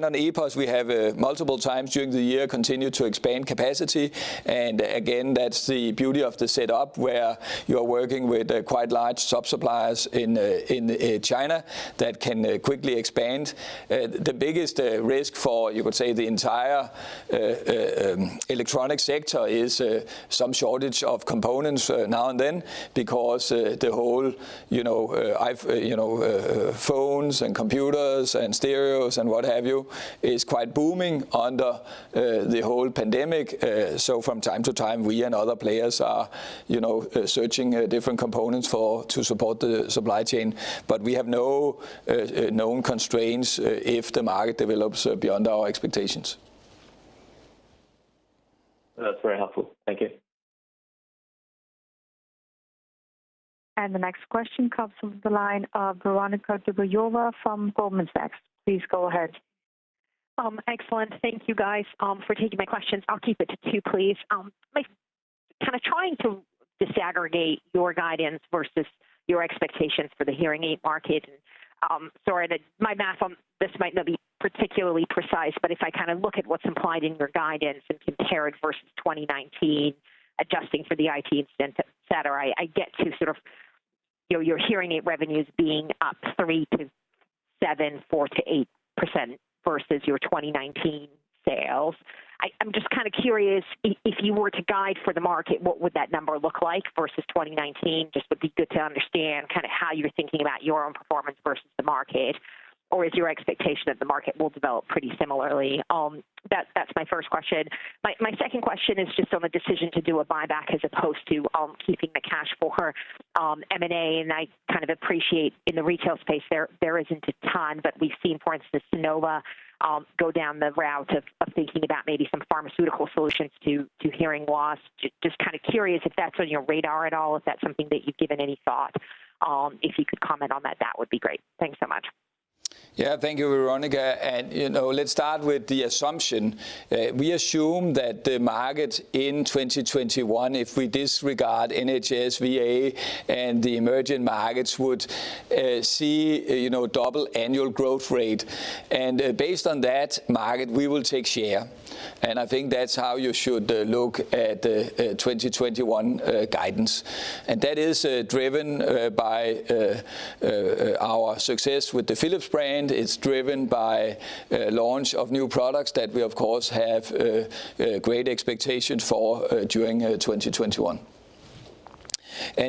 On EPOS, we have multiple times during the year continued to expand capacity. Again, that's the beauty of the setup, where you're working with quite large sub-suppliers in China that can quickly expand. The biggest risk for, you could say, the entire electronic sector is some shortage of components now and then, because the whole phones and computers and stereos and what have you, is quite booming under the whole pandemic. From time to time, we and other players are searching different components to support the supply chain. We have no known constraints if the market develops beyond our expectations. That's very helpful. Thank you. The next question comes from the line of Veronika Dubajova from Goldman Sachs. Please go ahead. Excellent. Thank you guys for taking my questions. I'll keep it to two, please. Kind of trying to disaggregate your guidance versus your expectations for the hearing aid market. Sorry that my math on this might not be particularly precise, but if I look at what's implied in your guidance and compare it versus 2019, adjusting for the IT incentive, et cetera, I get to sort of your hearing aid revenues being up 3%-7%, 4%-8% versus your 2019 sales. I'm just kind of curious, if you were to guide for the market, what would that number look like versus 2019? Just would be good to understand how you're thinking about your own performance versus the market, or is your expectation that the market will develop pretty similarly? That's my first question. My second question is just on the decision to do a buyback as opposed to keeping the cash for M&A, and I kind of appreciate in the retail space, there isn't a ton, but we've seen, for instance, Novartis go down the route of thinking about maybe some pharmaceutical solutions to hearing loss. Just kind of curious if that's on your radar at all. Is that something that you've given any thought? If you could comment on that would be great. Thanks so much. Yeah. Thank you, Veronica. Let's start with the assumption. We assume that the market in 2021, if we disregard NHS, VA, and the emerging markets, would see double annual growth rate. Based on that market, we will take share. I think that's how you should look at the 2021 guidance. That is driven by our success with the Philips brand. It's driven by launch of new products that we of course have great expectation for during 2021.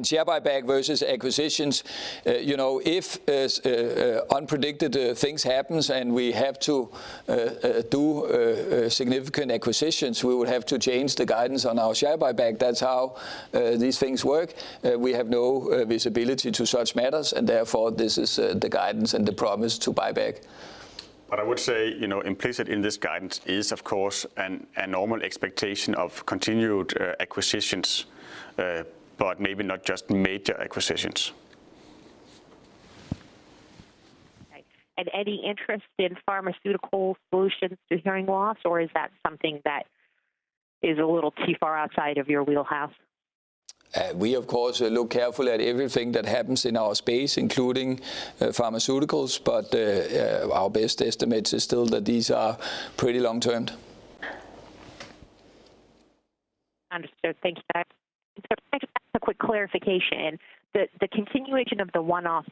Share buyback versus acquisitions. If unpredicted things happens and we have to do significant acquisitions, we would have to change the guidance on our share buyback. That's how these things work. We have no visibility to such matters, and therefore, this is the guidance and the promise to buy back. I would say, implicit in this guidance is, of course, a normal expectation of continued acquisitions, but maybe not just major acquisitions. Right. Any interest in pharmaceutical solutions to hearing loss, or is that something that is a little too far outside of your wheelhouse? We, of course, look carefully at everything that happens in our space, including pharmaceuticals. Our best estimates is still that these are pretty long-term. Understood. Thank you. Just a quick clarification. The continuation of the one-off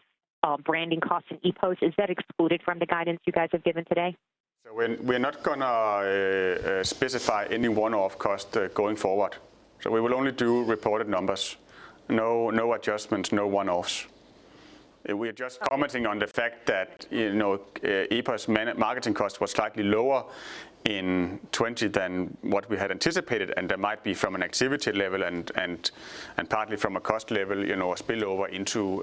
branding cost in EPOS, is that excluded from the guidance you guys have given today? We're not going to specify any one-off cost going forward. We will only do reported numbers. No adjustments, no one-offs. We are just commenting on the fact that EPOS marketing cost was slightly lower in 2020 than what we had anticipated, and that might be from an activity level and partly from a cost level, a spillover into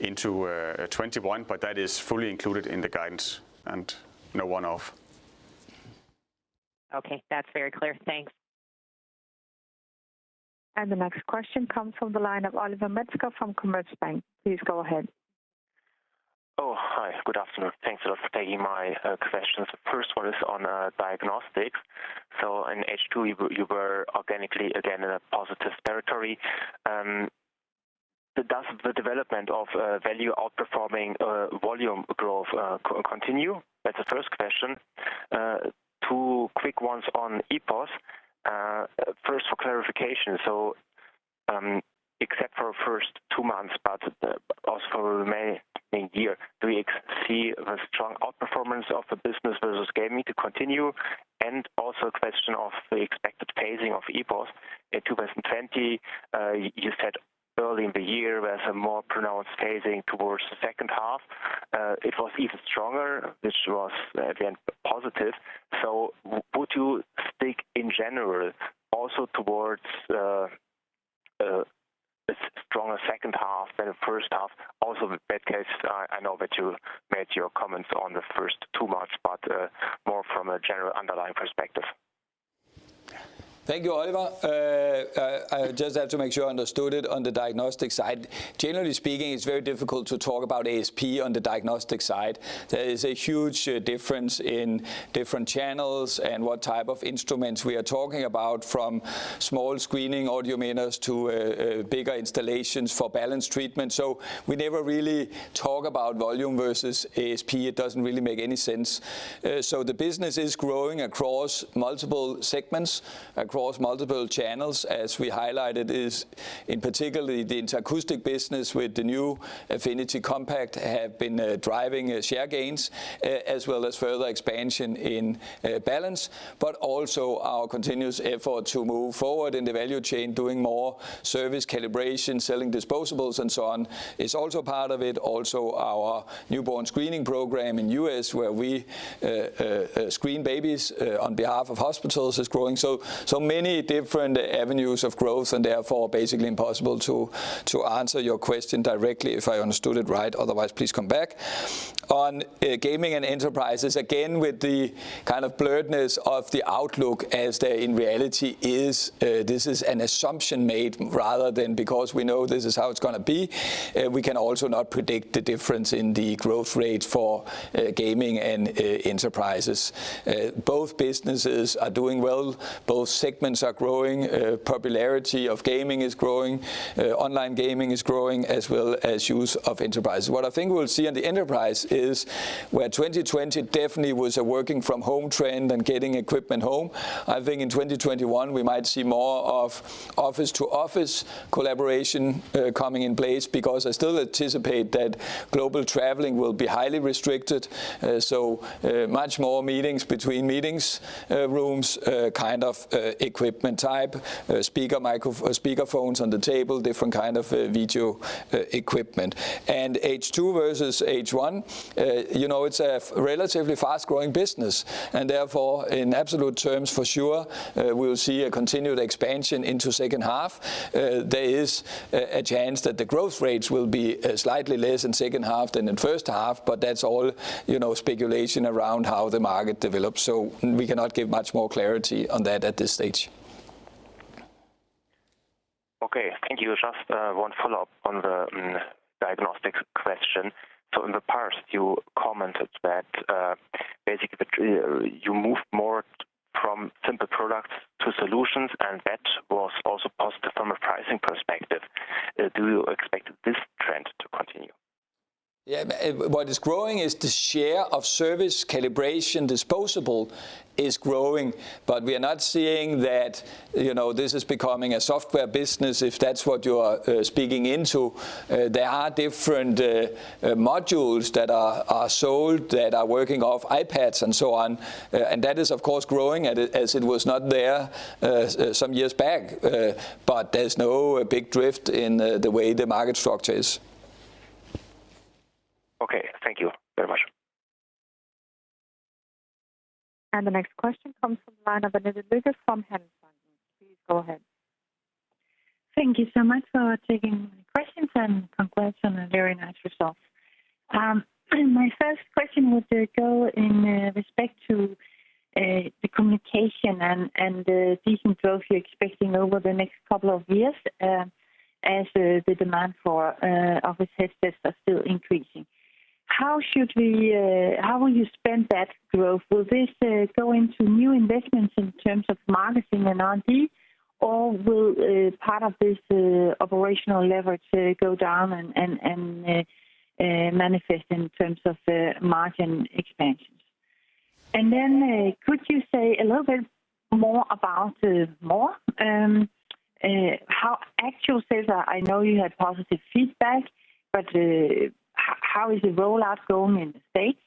2021, but that is fully included in the guidance and no one-off. Okay. That's very clear. Thanks. The next question comes from the line of Oliver Metzger from Commerzbank. Please go ahead. Hi. Good afternoon. Thanks a lot for taking my questions. The first one is on diagnostics. In H2, you were organically again in a positive territory. Does the development of value outperforming volume growth continue? That's the first question. Two quick ones on EPOS. First for clarification, except for first two months, but also for the remaining year, do we see the strong outperformance of the business versus gaming to continue? Also question of the expected phasing of EPOS in 2020. You said early in the year there was a more pronounced phasing towards the second half. It was even stronger, which was again positive. Would you stick in general also towards a stronger second half than the first half? Also the base case, I know that you made your comments on the first two months, but more from a general underlying perspective. Thank you, Oliver. I just have to make sure I understood it on the diagnostic side. Generally speaking, it's very difficult to talk about ASP on the diagnostic side. There is a huge difference in different channels and what type of instruments we are talking about, from small screening audiometers to bigger installations for balance treatment. We never really talk about volume versus ASP. It doesn't really make any sense. The business is growing across multiple segments, across multiple channels. As we highlighted, in particularly the acoustic business with the new Affinity Compact have been driving share gains, as well as further expansion in balance. Also our continuous effort to move forward in the value chain, doing more service calibration, selling disposables and so on, is also part of it. Also, our newborn screening program in U.S. where we screen babies on behalf of hospitals is growing. Many different avenues of growth and therefore basically impossible to answer your question directly, if I understood it right. Otherwise, please come back. On gaming and enterprises, again, with the kind of blurredness of the outlook as there in reality is, this is an assumption made rather than because we know this is how it's going to be. We can also not predict the difference in the growth rate for gaming and enterprises. Both businesses are doing well. Both segments are growing. Popularity of gaming is growing. Online gaming is growing as well as use of enterprise. What I think we'll see on the enterprise is where 2020 definitely was a working from home trend and getting equipment home, I think in 2021, we might see more of office-to-office collaboration coming in place, because I still anticipate that global traveling will be highly restricted. Much more meetings between meetings, rooms kind of equipment type, speaker microphones on the table, different kind of video equipment. H2 versus H1, it's a relatively fast-growing business and therefore in absolute terms for sure, we'll see a continued expansion into second half. There is a chance that the growth rates will be slightly less in second half than in first half, but that's all speculation around how the market develops. We cannot give much more clarity on that at this stage. Okay. Thank you. Just one follow-up on the diagnostics question. In the past, you commented that basically you moved more from simple products to solutions, and that was also positive from a pricing perspective. Do you expect this trend to continue? Yeah. What is growing is the share of service calibration disposable is growing, but we are not seeing that this is becoming a software business, if that's what you are speaking into. There are different modules that are sold that are working off iPads and so on, and that is of course growing as it was not there some years back. There's no big drift in the way the market structure is. Okay. Thank you very much. The next question comes from the line of Anette Risgaard from Handelsbanken. Please go ahead. Thank you so much for taking my questions. Congrats on a very nice result. My first question was to go in respect to the communication and the decent growth you're expecting over the next couple of years as the demand for office headsets are still increasing. How will you spend that growth? Will this go into new investments in terms of marketing and R&D, or will part of this operational leverage go down and manifest in terms of margin expansions? Could you say a little bit more about More? How actual sales are? I know you had positive feedback, but how is the rollout going in the States?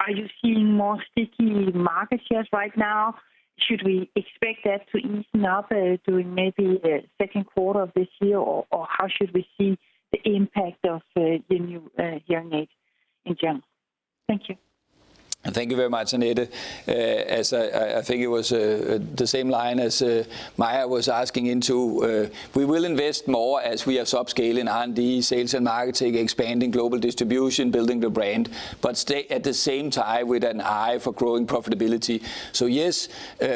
Are you seeing more sticky market shares right now? Should we expect that to even out during maybe the second quarter of this year, or how should we see the impact of the new hearing aid in general? Thank you. Thank you very much, Anette. As I think it was the same line as Maya was asking into, we will invest more as we are upscaling R&D, sales and marketing, expanding global distribution, building the brand, stay at the same time with an eye for growing profitability. Yes,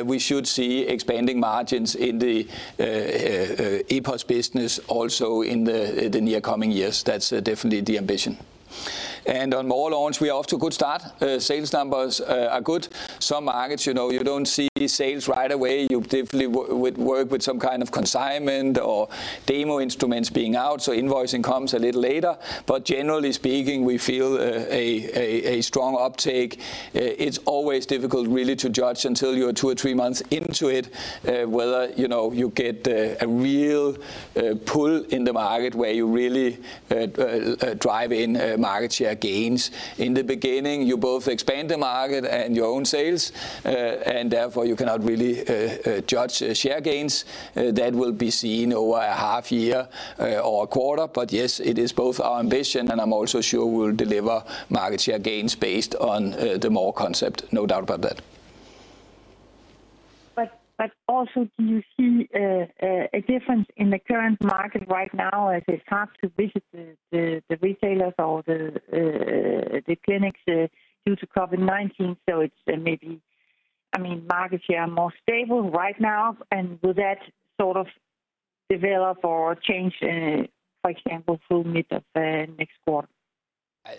we should see expanding margins in the EPOS business also in the near coming years. That's definitely the ambition. On More launch, we are off to a good start. Sales numbers are good. Some markets, you don't see sales right away. You definitely would work with some kind of consignment or demo instruments being out, invoicing comes a little later. Generally speaking, we feel a strong uptake. It's always difficult really to judge until you're two or three months into it, whether you get a real pull in the market where you really drive in market share gains. In the beginning, you both expand the market and your own sales, and therefore, you cannot really judge share gains. That will be seen over a half year or a quarter. Yes, it is both our ambition, and I'm also sure we'll deliver market share gains based on the More concept. No doubt about that. Also, do you see a difference in the current market right now as it's hard to visit the retailers or the clinics due to COVID-19? It's maybe, market share more stable right now, and will that sort of develop or change, for example, through mid of next quarter?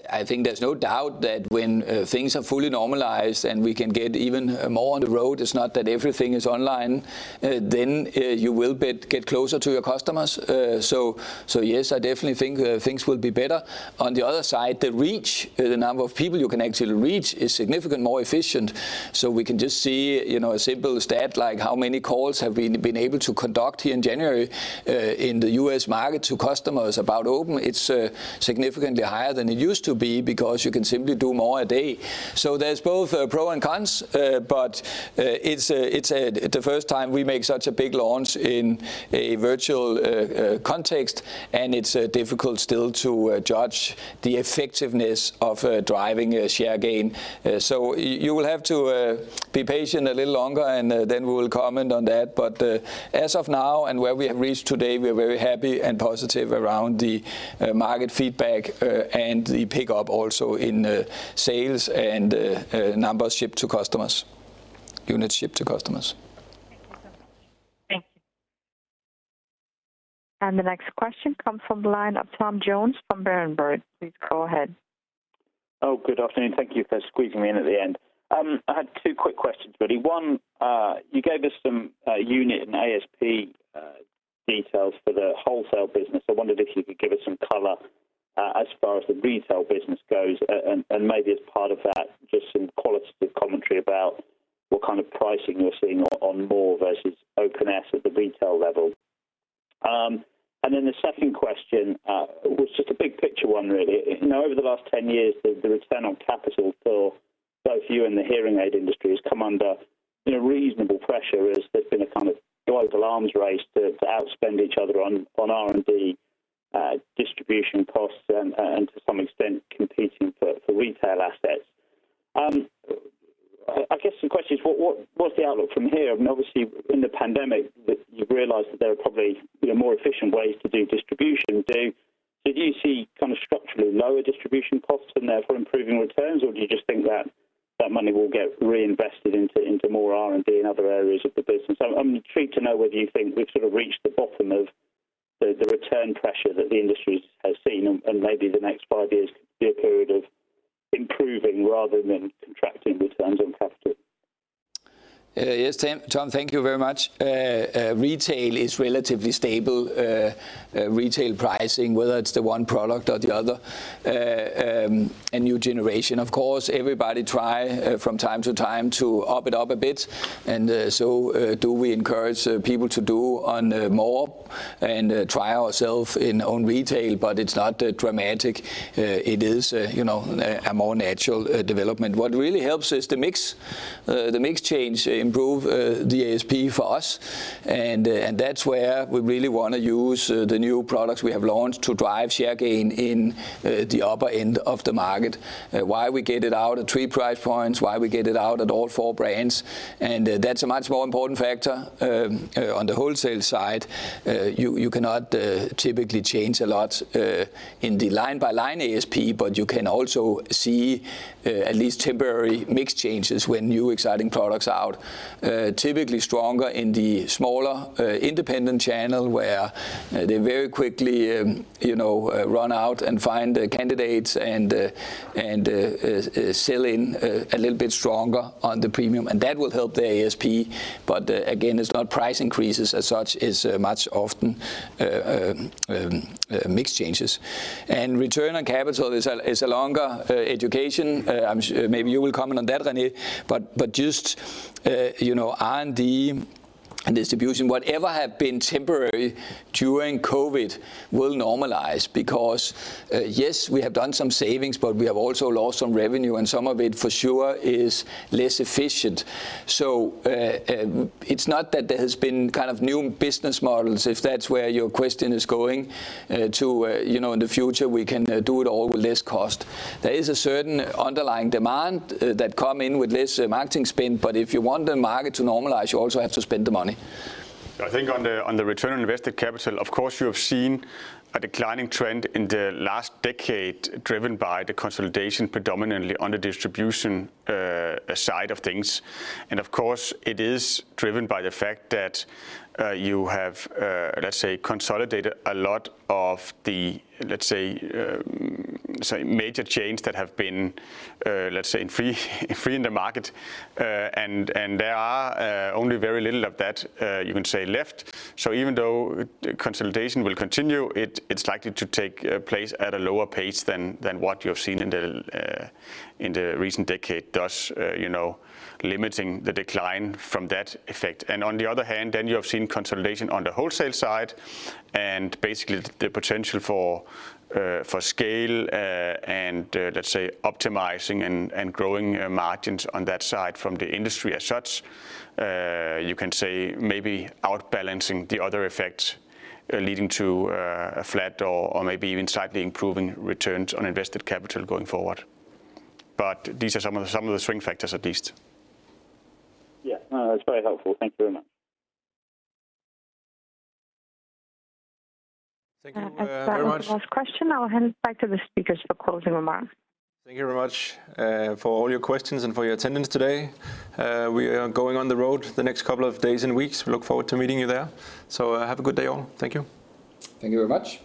I think there's no doubt that when things are fully normalized and we can get even more on the road, it's not that everything is online, then you will get closer to your customers. On the other side, the reach, the number of people you can actually reach is significantly more efficient. We can just see a simple stat, like how many calls have we been able to conduct here in January in the U.S. market to customers about Opn. It's significantly higher than it used to be because you can simply do more a day. There's both pro and cons, but it's the first time we make such a big launch in a virtual context, and it's difficult still to judge the effectiveness of driving a share gain. You will have to be patient a little longer, and then we will comment on that. As of now and where we have reached today, we are very happy and positive around the market feedback and the pickup also in sales and numbers shipped to customers, units shipped to customers. Thank you so much. Thank you. The next question comes from the line of Tom Jones from Berenberg. Please go ahead. Oh, good afternoon. Thank you for squeezing me in at the end. I had two quick questions, really. One, you gave us some unit and ASP details for the wholesale business. I wondered if you could give us some color as far as the retail business goes, and maybe as part of that, just some qualitative commentary about what kind of pricing you're seeing on More versus Opn S at the retail level. The second question, was just a big picture one really. Over the last 10 years, the return on capital for both you and the hearing aid industry has come under reasonable pressure as there's been a kind of global arms race to outspend each other on R&D, distribution costs, and to some extent, competing for retail assets. I guess the question is, what's the outlook from here? Obviously, in the pandemic, you've realized that there are probably more efficient ways to do distribution. Did you see kind of structurally lower distribution costs and therefore improving returns, or do you just think that that money will get reinvested into more R&D in other areas of the business? I'm intrigued to know whether you think we've sort of reached the bottom of the return pressure that the industry has seen, and maybe the next five years could be a period of improving rather than contracting returns on capital. Yes, Tom, thank you very much. Retail is relatively stable. Retail pricing, whether it's the one product or the other. A new generation, of course, everybody try from time to time to up it up a bit, and so do we encourage people to do on More and try ourself in on retail, but it's not dramatic. It is a more natural development. What really helps is the mix. The mix change improve the ASP for us, and that's where we really want to use the new products we have launched to drive share gain in the upper end of the market. Why we get it out at three price points, why we get it out at all four brands, and that's a much more important factor. On the wholesale side, you cannot typically change a lot in the line-by-line ASP. You can also see at least temporary mix changes when new exciting products are out. Typically stronger in the smaller, independent channel, where they very quickly run out and find candidates and sell in a little bit stronger on the premium, that will help the ASP. Again, it's not price increases as such as much often mix changes. Return on capital is a longer education. Maybe you will comment on that, René. Just R&D and distribution, whatever have been temporary during COVID will normalize because, yes, we have done some savings, but we have also lost some revenue, and some of it for sure is less efficient. It's not that there has been kind of new business models, if that's where your question is going to in the future, we can do it all with less cost. There is a certain underlying demand that come in with less marketing spend. If you want the market to normalize, you also have to spend the money. I think on the return on invested capital, of course, you have seen a declining trend in the last decade driven by the consolidation predominantly on the distribution side of things. Of course, it is driven by the fact that you have, let's say, consolidated a lot of the, let's say, major chains that have been, let's say, free in the market. There are only very little of that you can say left. Even though consolidation will continue, it's likely to take place at a lower pace than what you have seen in the recent decade. Thus, limiting the decline from that effect. On the other hand, you have seen consolidation on the wholesale side and basically the potential for scale and let's say optimizing and growing margins on that side from the industry as such. You can say maybe outbalancing the other effects leading to a flat or maybe even slightly improving returns on invested capital going forward. These are some of the swing factors at least. Yeah. No, that's very helpful. Thank you very much. Thank you very much. That was the last question. I'll hand it back to the speakers for closing remarks. Thank you very much for all your questions and for your attendance today. We are going on the road the next couple of days and weeks. We look forward to meeting you there. Have a good day all. Thank you. Thank you very much.